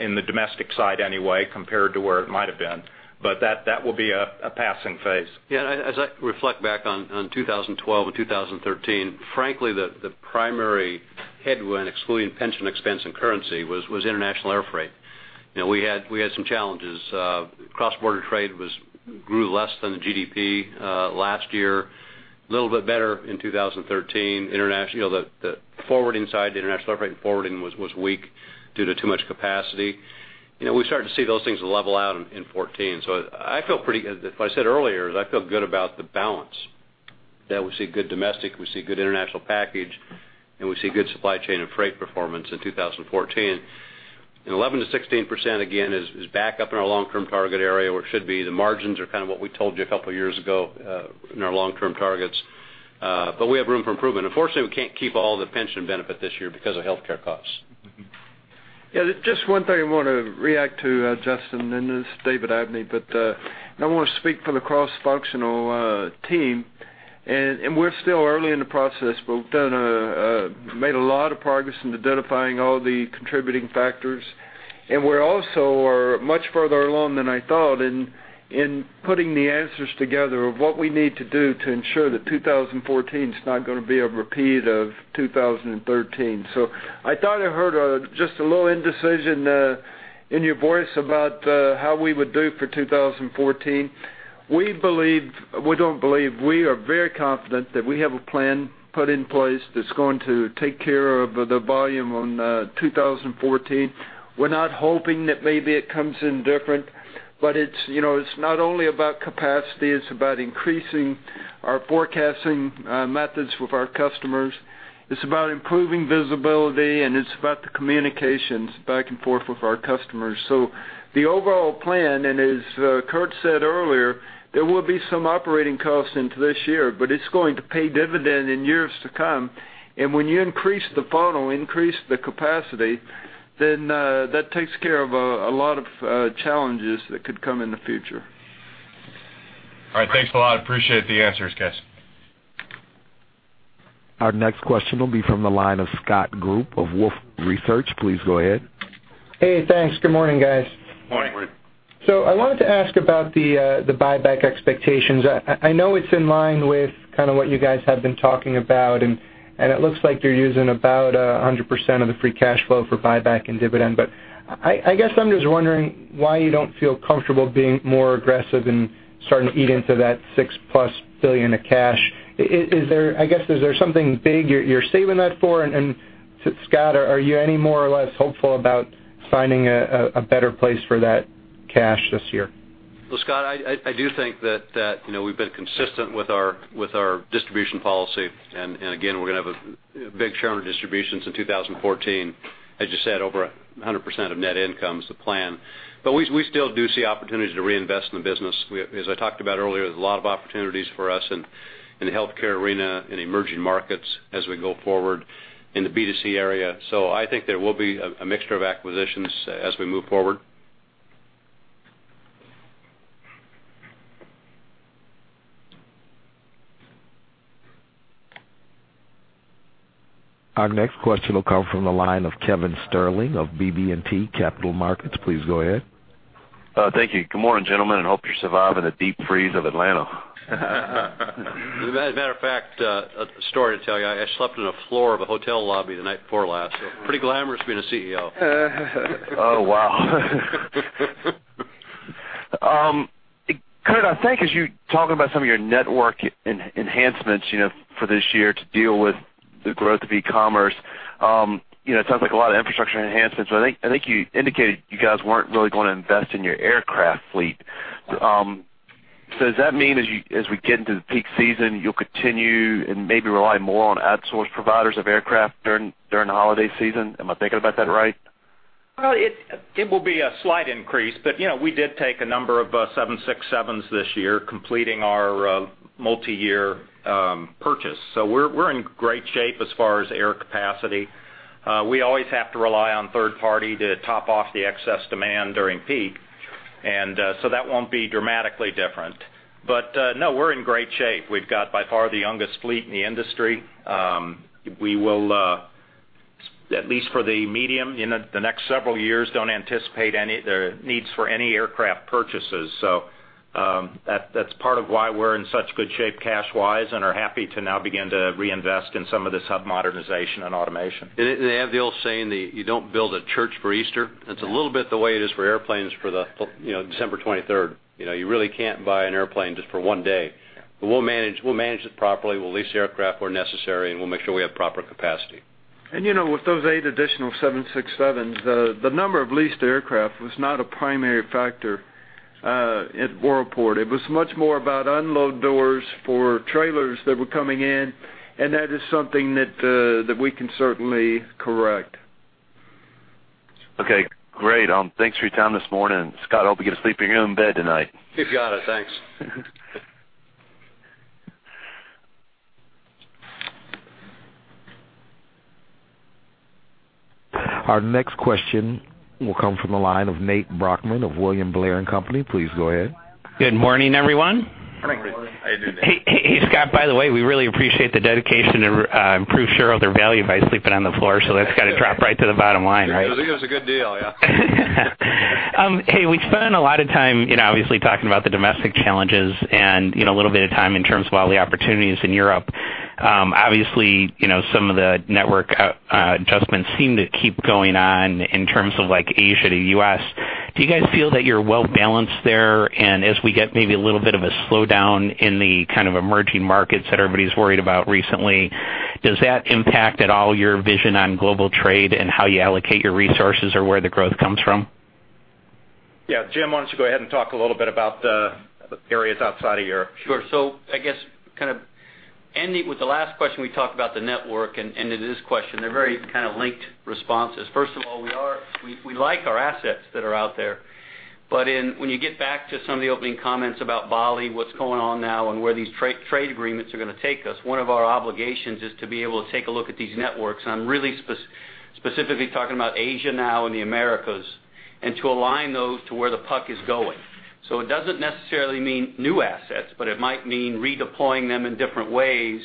in the domestic side anyway, compared to where it might have been. But that, that will be a, a passing phase. Yeah, as I reflect back on 2012 and 2013, frankly, the primary headwind, excluding pension expense and currency, was international air freight. You know, we had some challenges. Cross-border trade grew less than the GDP last year, a little bit better in 2013. International, you know, the forwarding side, the international air freight forwarding was weak due to too much capacity. You know, we're starting to see those things level out in 2014. So I feel pretty-- as I said earlier, I feel good about the balance, that we see good domestic, we see good international package, and we see good supply chain and freight performance in 2014. And 11%-16%, again, is back up in our long-term target area, where it should be. The margins are kind of what we told you a couple of years ago, in our long-term targets, but we have room for improvement. Unfortunately, we can't keep all the pension benefit this year because of healthcare costs. Yeah, just one thing I want to react to, Justin, and this is David Abney. But I want to speak for the cross-functional team, and we're still early in the process, but we've made a lot of progress in identifying all the contributing factors. And we're also much further along than I thought in putting the answers together of what we need to do to ensure that 2014 is not going to be a repeat of 2013. So I thought I heard just a little indecision in your voice about how we would do for 2014. We believe - we don't believe, we are very confident that we have a plan put in place that's going to take care of the volume on 2014. We're not hoping that maybe it comes in different, but it's, you know, it's not only about capacity, it's about increasing our forecasting, methods with our customers. It's about improving visibility, and it's about the communications back and forth with our customers. So the overall plan, and as, Kurt said earlier, there will be some operating costs into this year, but it's going to pay dividend in years to come. And when you increase the funnel, increase the capacity, then, that takes care of, a lot of, challenges that could come in the future. All right, thanks a lot. Appreciate the answers, guys. Our next question will be from the line of Scott Group of Wolfe Research. Please go ahead. Hey, thanks. Good morning, guys. Good morning. Good morning. So I wanted to ask about the buyback expectations. I know it's in line with kind of what you guys have been talking about, and it looks like you're using about 100% of the free cash flow for buyback and dividend. But I guess I'm just wondering why you don't feel comfortable being more aggressive and starting to eat into that $6+ billion of cash. Is there—I guess, is there something big you're saving that for? And Scott, are you any more or less hopeful about finding a better place for that cash this year? Well, Scott, I do think that, you know, we've been consistent with our, with our distribution policy. And again, we're going to have a big share of distributions in 2014. As you said, over 100% of net income is the plan. But we still do see opportunities to reinvest in the business. We, as I talked about earlier, there's a lot of opportunities for us in, in the healthcare arena, in emerging markets as we go forward in the B2C area. So I think there will be a, a mixture of acquisitions as we move forward. Our next question will come from the line of Kevin Sterling of BB&T Capital Markets. Please go ahead. Thank you. Good morning, gentlemen, and hope you're surviving the deep freeze of Atlanta. As a matter of fact, a story to tell you. I slept on the floor of a hotel lobby the night before last. Pretty glamorous being a CEO. Oh, wow! Kurt, I think as you talk about some of your network enhancements, you know, for this year to deal with the growth of e-commerce, you know, it sounds like a lot of infrastructure enhancements. But I think, I think you indicated you guys weren't really going to invest in your aircraft fleet. So does that mean as you, as we get into the peak season, you'll continue and maybe rely more on outsourced providers of aircraft during, during the holiday season? Am I thinking about that right? Well, it will be a slight increase, but, you know, we did take a number of 767s this year, completing our multiyear purchase. So we're in great shape as far as air capacity. We always have to rely on third party to top off the excess demand during peak, and so that won't be dramatically different. But no, we're in great shape. We've got by far the youngest fleet in the industry. We will at least for the medium-term, you know, the next several years, don't anticipate any needs for any aircraft purchases. So, that's part of why we're in such good shape cash-wise, and are happy to now begin to reinvest in some of this hub modernization and automation. They have the old saying that you don't build a church for Easter. It's a little bit the way it is for airplanes for the, you know, December twenty-third. You know, you really can't buy an airplane just for one day. But we'll manage, we'll manage it properly, we'll lease the aircraft where necessary, and we'll make sure we have proper capacity. And, you know, with those eight additional 767s, the number of leased aircraft was not a primary factor at Worldport. It was much more about unload doors for trailers that were coming in, and that is something that we can certainly correct. Okay, great! Thanks for your time this morning. Scott, I hope you get to sleep in your own bed tonight. You got it, thanks. Our next question will come from the line of Nate Brochmann of William Blair & Company. Please go ahead. Good morning, everyone. Morning. How you doing? Hey, hey, hey, Scott, by the way, we really appreciate the dedication to improve shareholder value by sleeping on the floor, so that's got to drop right to the bottom line, right? I think it was a good deal, yeah. Hey, we spent a lot of time, you know, obviously talking about the domestic challenges and, you know, a little bit of time in terms of all the opportunities in Europe. Obviously, you know, some of the network adjustments seem to keep going on in terms of, like, Asia to U.S. Do you guys feel that you're well-balanced there? And as we get maybe a little bit of a slowdown in the kind of emerging markets that everybody's worried about recently, does that impact at all your vision on global trade and how you allocate your resources or where the growth comes from? Yeah. Jim, why don't you go ahead and talk a little bit about the areas outside of Europe? Sure. So I guess kind of ending with the last question, we talked about the network, and to this question, they're very kind of linked responses. First of all, we are—we like our assets that are out there. But when you get back to some of the opening comments about Bali, what's going on now, and where these trade agreements are going to take us, one of our obligations is to be able to take a look at these networks, and I'm really specifically talking about Asia now and the Americas, and to align those to where the puck is going. So it doesn't necessarily mean new assets, but it might mean redeploying them in different ways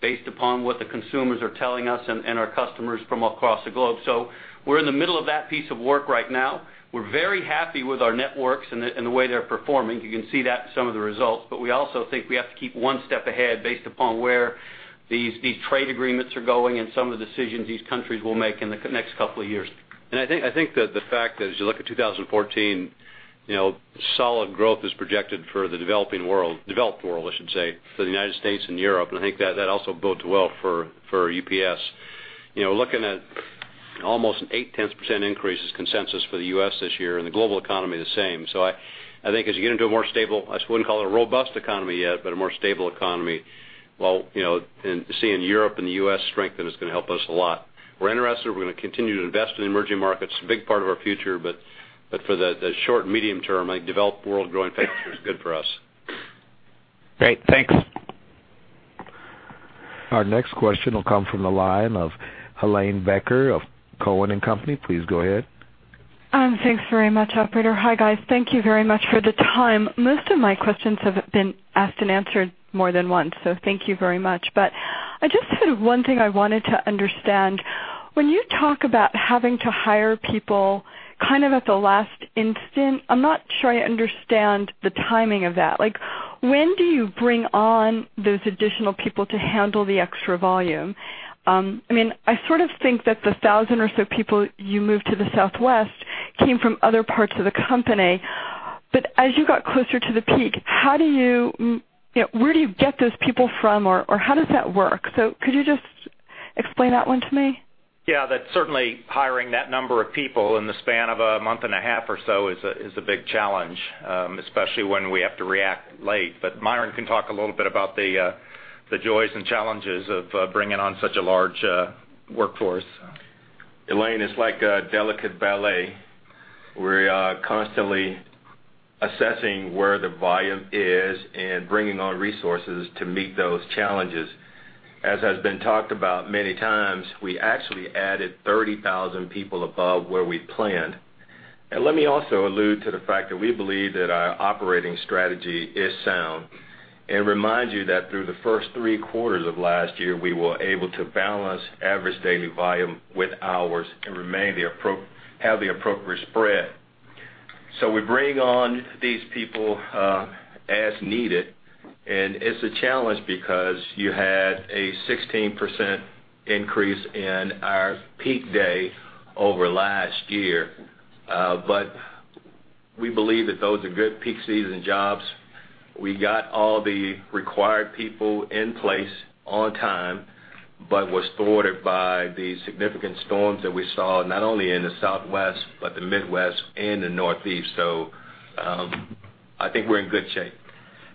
based upon what the consumers are telling us and our customers from across the globe. So we're in the middle of that piece of work right now. We're very happy with our networks and the way they're performing. You can see that in some of the results. But we also think we have to keep one step ahead based upon where these trade agreements are going and some of the decisions these countries will make in the next couple of years. I think that the fact that as you look at 2014, you know, solid growth is projected for the developing world—developed world, I should say, for the United States and Europe. I think that also bodes well for UPS. You know, looking at almost 8%-10% increase is consensus for the U.S. this year, and the global economy, the same. So I think as you get into a more stable, I wouldn't call it a robust economy yet, but a more stable economy, well, you know, and seeing Europe and the US strengthen is going to help us a lot. We're interested, we're going to continue to invest in emerging markets, a big part of our future, but for the short and medium term, I think developed world growing faster is good for us. Great. Thanks. Our next question will come from the line of Helane Becker of Cowen and Company. Please go ahead. Thanks very much, operator. Hi, guys. Thank you very much for the time. Most of my questions have been asked and answered more than once, so thank you very much. But I just sort of one thing I wanted to understand, when you talk about having to hire people kind of at the last instant. I'm not sure I understand the timing of that. Like, when do you bring on those additional people to handle the extra volume? I mean, I sort of think that the 1,000 or so people you moved to the Southwest came from other parts of the company. But as you got closer to the peak, how do you... You know, where do you get those people from, or, or how does that work? So could you just explain that one to me? Yeah, that's certainly hiring that number of people in the span of a month and a half or so is a big challenge, especially when we have to react late. But Myron can talk a little bit about the joys and challenges of bringing on such a large workforce. Helane, it's like a delicate ballet. We are constantly assessing where the volume is and bringing on resources to meet those challenges. As has been talked about many times, we actually added 30,000 people above where we planned. And let me also allude to the fact that we believe that our operating strategy is sound, and remind you that through the first three quarters of last year, we were able to balance average daily volume with hours and have the appropriate spread. So we bring on these people, as needed, and it's a challenge because you had a 16% increase in our peak day over last year. But we believe that those are good peak season jobs. We got all the required people in place on time, but was thwarted by the significant storms that we saw, not only in the Southwest, but the Midwest and the Northeast. So, I think we're in good shape.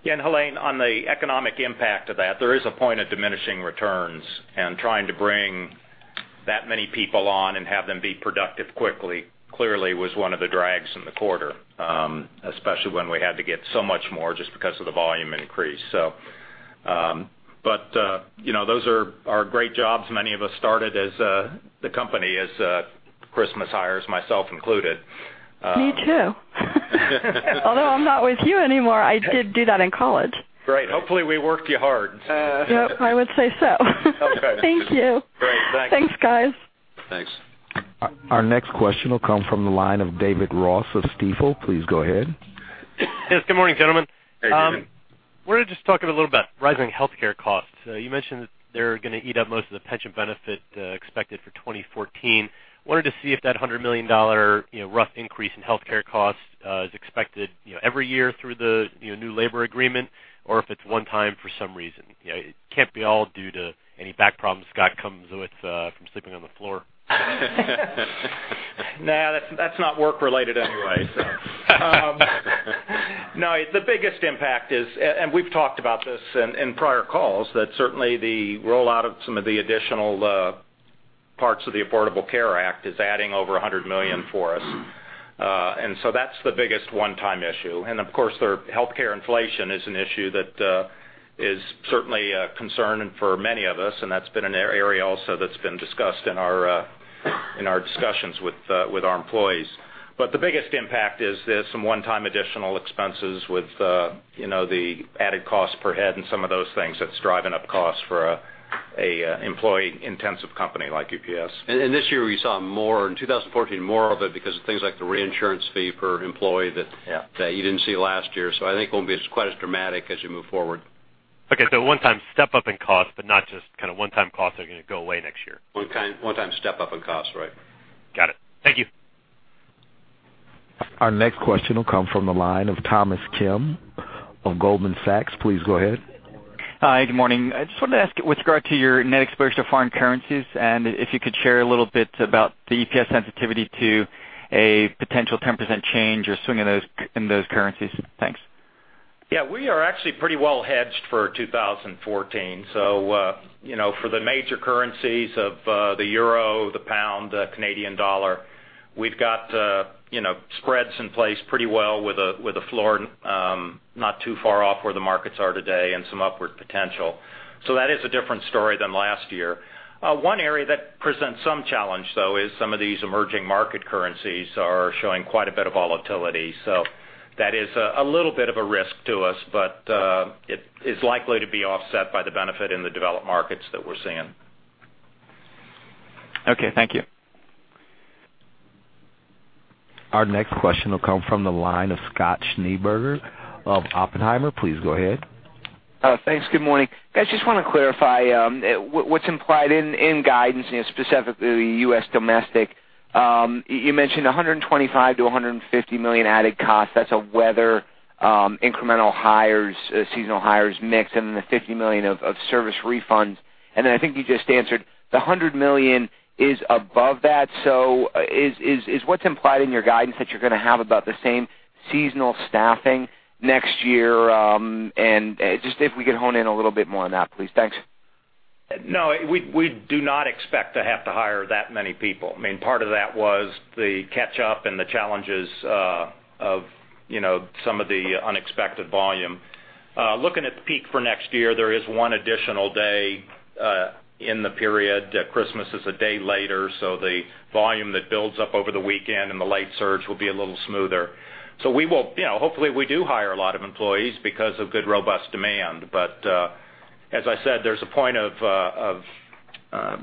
Yeah, and Helane, on the economic impact of that, there is a point of diminishing returns, and trying to bring that many people on and have them be productive quickly, clearly was one of the drags in the quarter, especially when we had to get so much more just because of the volume increase. So, but, you know, those are great jobs. Many of us started as the company as Christmas hires, myself included. ...Me too. Although I'm not with you anymore, I did do that in college. Right. Hopefully, we worked you hard. Yep, I would say so. Okay. Thank you. Great. Thanks. Thanks, guys. Thanks. Our next question will come from the line of David Ross of Stifel. Please go ahead. Yes, good morning, gentlemen. Hey, David. Wanted to just talk a little about rising healthcare costs. You mentioned they're going to eat up most of the pension benefit expected for 2014. Wanted to see if that $100 million, you know, rough increase in healthcare costs is expected, you know, every year through the, you know, new labor agreement, or if it's one time for some reason. You know, it can't be all due to any back problems Scott comes with from sleeping on the floor. Nah, that's, that's not work related anyway, so. No, the biggest impact is, and we've talked about this in prior calls, that certainly the rollout of some of the additional parts of the Affordable Care Act is adding over $100 million for us. And so that's the biggest one-time issue. And of course, their healthcare inflation is an issue that is certainly a concern and for many of us, and that's been an area also that's been discussed in our discussions with our employees. But the biggest impact is there's some one-time additional expenses with, you know, the added cost per head and some of those things that's driving up costs for a employee-intensive company like UPS. This year, we saw more, in 2014, more of it because of things like the reinsurance fee per employee that- Yeah that you didn't see last year. So I think it won't be as quite as dramatic as you move forward. Okay. So one-time step up in cost, but not just kind of one-time costs are going to go away next year. One-time step up in costs, right. Got it. Thank you. Our next question will come from the line of Thomas Kim of Goldman Sachs. Please go ahead. Hi, good morning. I just wanted to ask with regard to your net exposure to foreign currencies, and if you could share a little bit about the EPS sensitivity to a potential 10% change or swing in those, in those currencies. Thanks. Yeah, we are actually pretty well hedged for 2014. So, you know, for the major currencies of, the euro, the pound, the Canadian dollar, we've got, you know, spreads in place pretty well with a, with a floor, not too far off where the markets are today and some upward potential. So that is a different story than last year. One area that presents some challenge, though, is some of these emerging market currencies are showing quite a bit of volatility. So that is a little bit of a risk to us, but, it is likely to be offset by the benefit in the developed markets that we're seeing. Okay. Thank you. Our next question will come from the line of Scott Schneeberger of Oppenheimer. Please go ahead. Thanks. Good morning. Guys, just want to clarify, what's implied in guidance, you know, specifically U.S. domestic. You mentioned $125 million-$150 million added costs. That's weather, incremental hires, seasonal hires mix, and then the $50 million of service refunds. And then I think you just answered the $100 million is above that. So is what's implied in your guidance that you're going to have about the same seasonal staffing next year, and just if we could hone in a little bit more on that, please. Thanks. No, we do not expect to have to hire that many people. I mean, part of that was the catch up and the challenges of, you know, some of the unexpected volume. Looking at the peak for next year, there is one additional day in the period. Christmas is a day later, so the volume that builds up over the weekend and the late surge will be a little smoother. So we will... You know, hopefully, we do hire a lot of employees because of good, robust demand. But, as I said, there's a point of, of,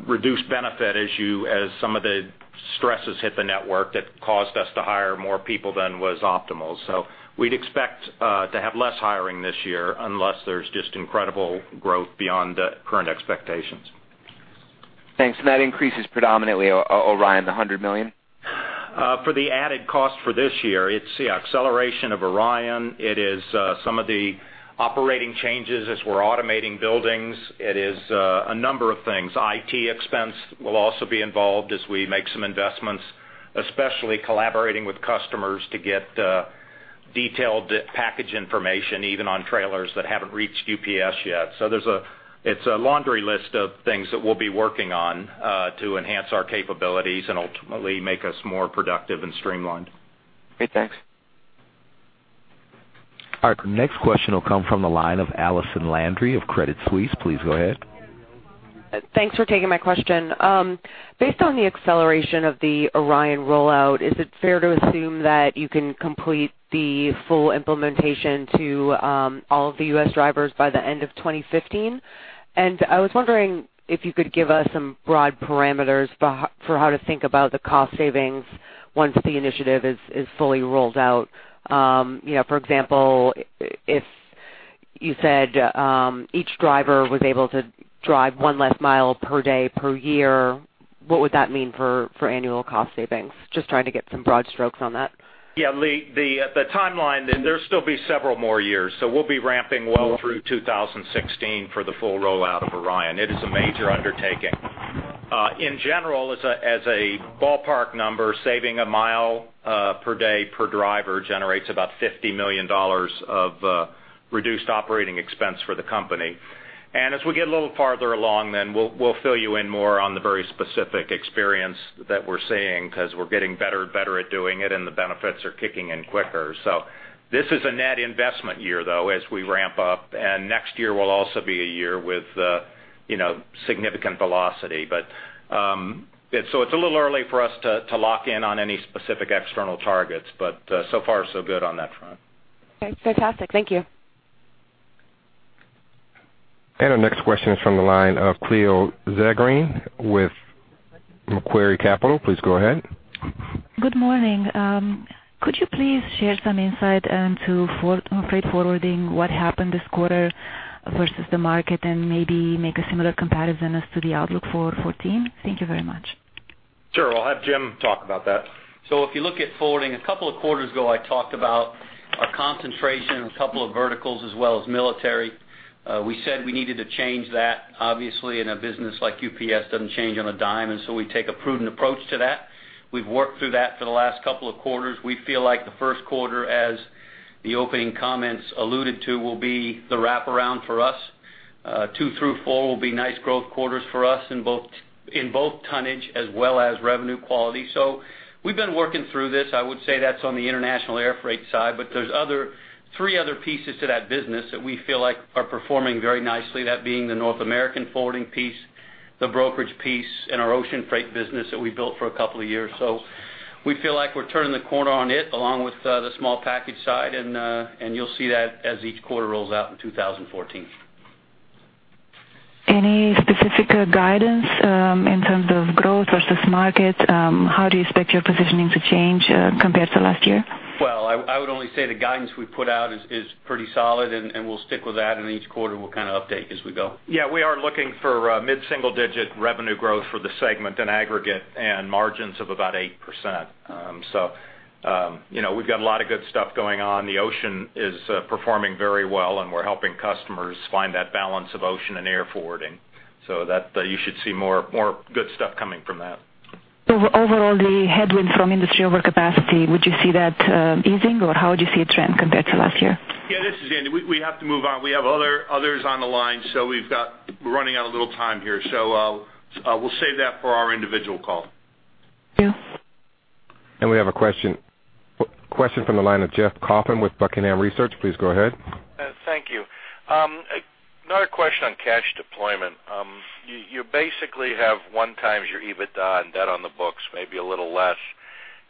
reduced benefit as some of the stresses hit the network that caused us to hire more people than was optimal. So we'd expect to have less hiring this year unless there's just incredible growth beyond the current expectations. Thanks. That increase is predominantly ORION, the $100 million? For the added cost for this year, it's the acceleration of Orion. It is some of the operating changes as we're automating buildings. It is a number of things. IT expense will also be involved as we make some investments, especially collaborating with customers to get detailed package information, even on trailers that haven't reached UPS yet. So, it's a laundry list of things that we'll be working on to enhance our capabilities and ultimately make us more productive and streamlined. Okay, thanks. All right, the next question will come from the line of Allison Landry of Credit Suisse. Please go ahead. Thanks for taking my question. Based on the acceleration of the ORION rollout, is it fair to assume that you can complete the full implementation to all of the U.S. drivers by the end of 2015? And I was wondering if you could give us some broad parameters for how to think about the cost savings once the initiative is fully rolled out. You know, for example, if you said each driver was able to drive one less mile per day, per year, what would that mean for annual cost savings? Just trying to get some broad strokes on that. Yeah, the timeline, there'll still be several more years, so we'll be ramping well through 2016 for the full rollout of Orion. It is a major undertaking. In general, as a ballpark number, saving a mile per day per driver generates about $50 million of reduced operating expense for the company. And as we get a little farther along, then we'll fill you in more on the very specific experience that we're seeing, because we're getting better and better at doing it, and the benefits are kicking in quicker. So this is a net investment year, though, as we ramp up, and next year will also be a year with, you know, significant velocity. It's a little early for us to lock in on any specific external targets, but so far, so good on that front. Okay, fantastic. Thank you. Our next question is from the line of Cleo Zagrean with Macquarie Capital. Please go ahead. Good morning. Could you please share some insight on freight forwarding, what happened this quarter versus the market, and maybe make a similar comparison as to the outlook for 14? Thank you very much. Sure. I'll have Jim talk about that. So if you look at forwarding, a couple of quarters ago, I talked about a concentration in a couple of verticals as well as military. We said we needed to change that, obviously, in a business like UPS, doesn't change on a dime, and so we take a prudent approach to that. We've worked through that for the last couple of quarters. We feel like the first quarter, as the opening comments alluded to, will be the wraparound for us. Two through four will be nice growth quarters for us in both, in both tonnage as well as revenue quality. So we've been working through this. I would say that's on the international air freight side, but there's other... Three other pieces to that business that we feel like are performing very nicely, that being the North American forwarding piece, the brokerage piece, and our ocean freight business that we built for a couple of years. So we feel like we're turning the corner on it, along with the small package side, and you'll see that as each quarter rolls out in 2014. Any specific guidance in terms of growth versus market? How do you expect your positioning to change compared to last year? Well, I would only say the guidance we put out is pretty solid, and we'll stick with that, and each quarter we'll kind of update as we go. Yeah, we are looking for mid-single-digit revenue growth for the segment in aggregate and margins of about 8%. So, you know, we've got a lot of good stuff going on. The ocean is performing very well, and we're helping customers find that balance of ocean and air forwarding. So that you should see more, more good stuff coming from that. Overall, the headwinds from industry overcapacity, would you see that easing, or how would you see a trend compared to last year? Yeah, this is Andy. We have to move on. We have others on the line, so we've got... We're running out a little time here, so we'll save that for our individual call. Thank you. We have a question, question from the line of Jeff Kauffman with Buckingham Research. Please go ahead. Thank you. Another question on cash deployment. You basically have one times your EBITDA and debt on the books, maybe a little less.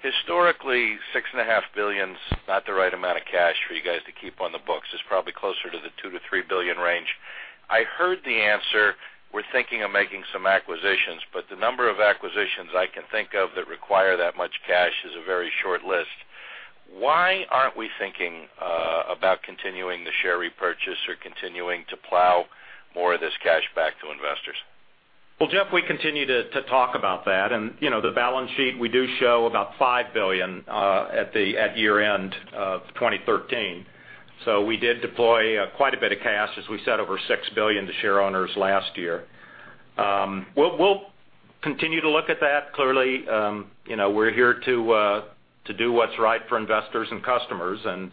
Historically, $6.5 billion is not the right amount of cash for you guys to keep on the books. It's probably closer to the $2–$3 billion range. I heard the answer, "We're thinking of making some acquisitions," but the number of acquisitions I can think of that require that much cash is a very short list. Why aren't we thinking about continuing the share repurchase or continuing to plow more of this cash back to investors? Well, Jeff, we continue to talk about that. And, you know, the balance sheet, we do show about $5 billion at year-end of 2013. So we did deploy quite a bit of cash, as we said, over $6 billion to shareowners last year. We'll continue to look at that. Clearly, you know, we're here to do what's right for investors and customers, and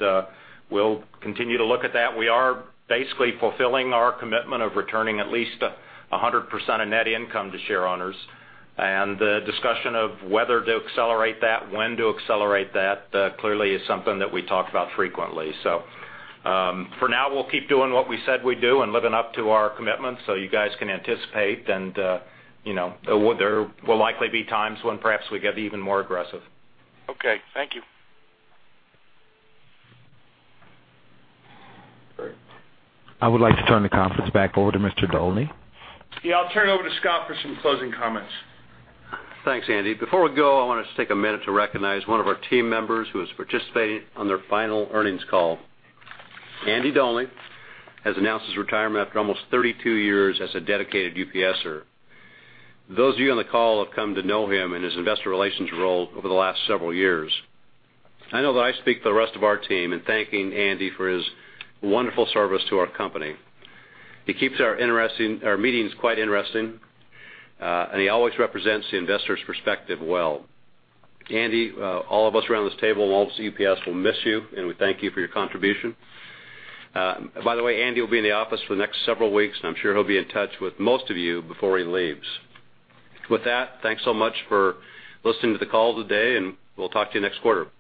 we'll continue to look at that. We are basically fulfilling our commitment of returning at least 100% of net income to shareowners. And the discussion of whether to accelerate that, when to accelerate that, clearly is something that we talk about frequently. So, for now, we'll keep doing what we said we'd do and living up to our commitments, so you guys can anticipate and, you know, there will likely be times when perhaps we get even more aggressive. Okay. Thank you. I would like to turn the conference back over to Mr. Dolny. Yeah, I'll turn it over to Scott for some closing comments. Thanks, Andy. Before we go, I want us to take a minute to recognize one of our team members who is participating on their final earnings call. Andy Dolny has announced his retirement after almost 32 years as a dedicated UPSer. Those of you on the call have come to know him in his investor relations role over the last several years. I know that I speak for the rest of our team in thanking Andy for his wonderful service to our company. He keeps our meetings quite interesting, and he always represents the investors' perspective well. Andy, all of us around this table and all of us at UPS will miss you, and we thank you for your contribution. By the way, Andy will be in the office for the next several weeks, and I'm sure he'll be in touch with most of you before he leaves. With that, thanks so much for listening to the call today, and we'll talk to you next quarter.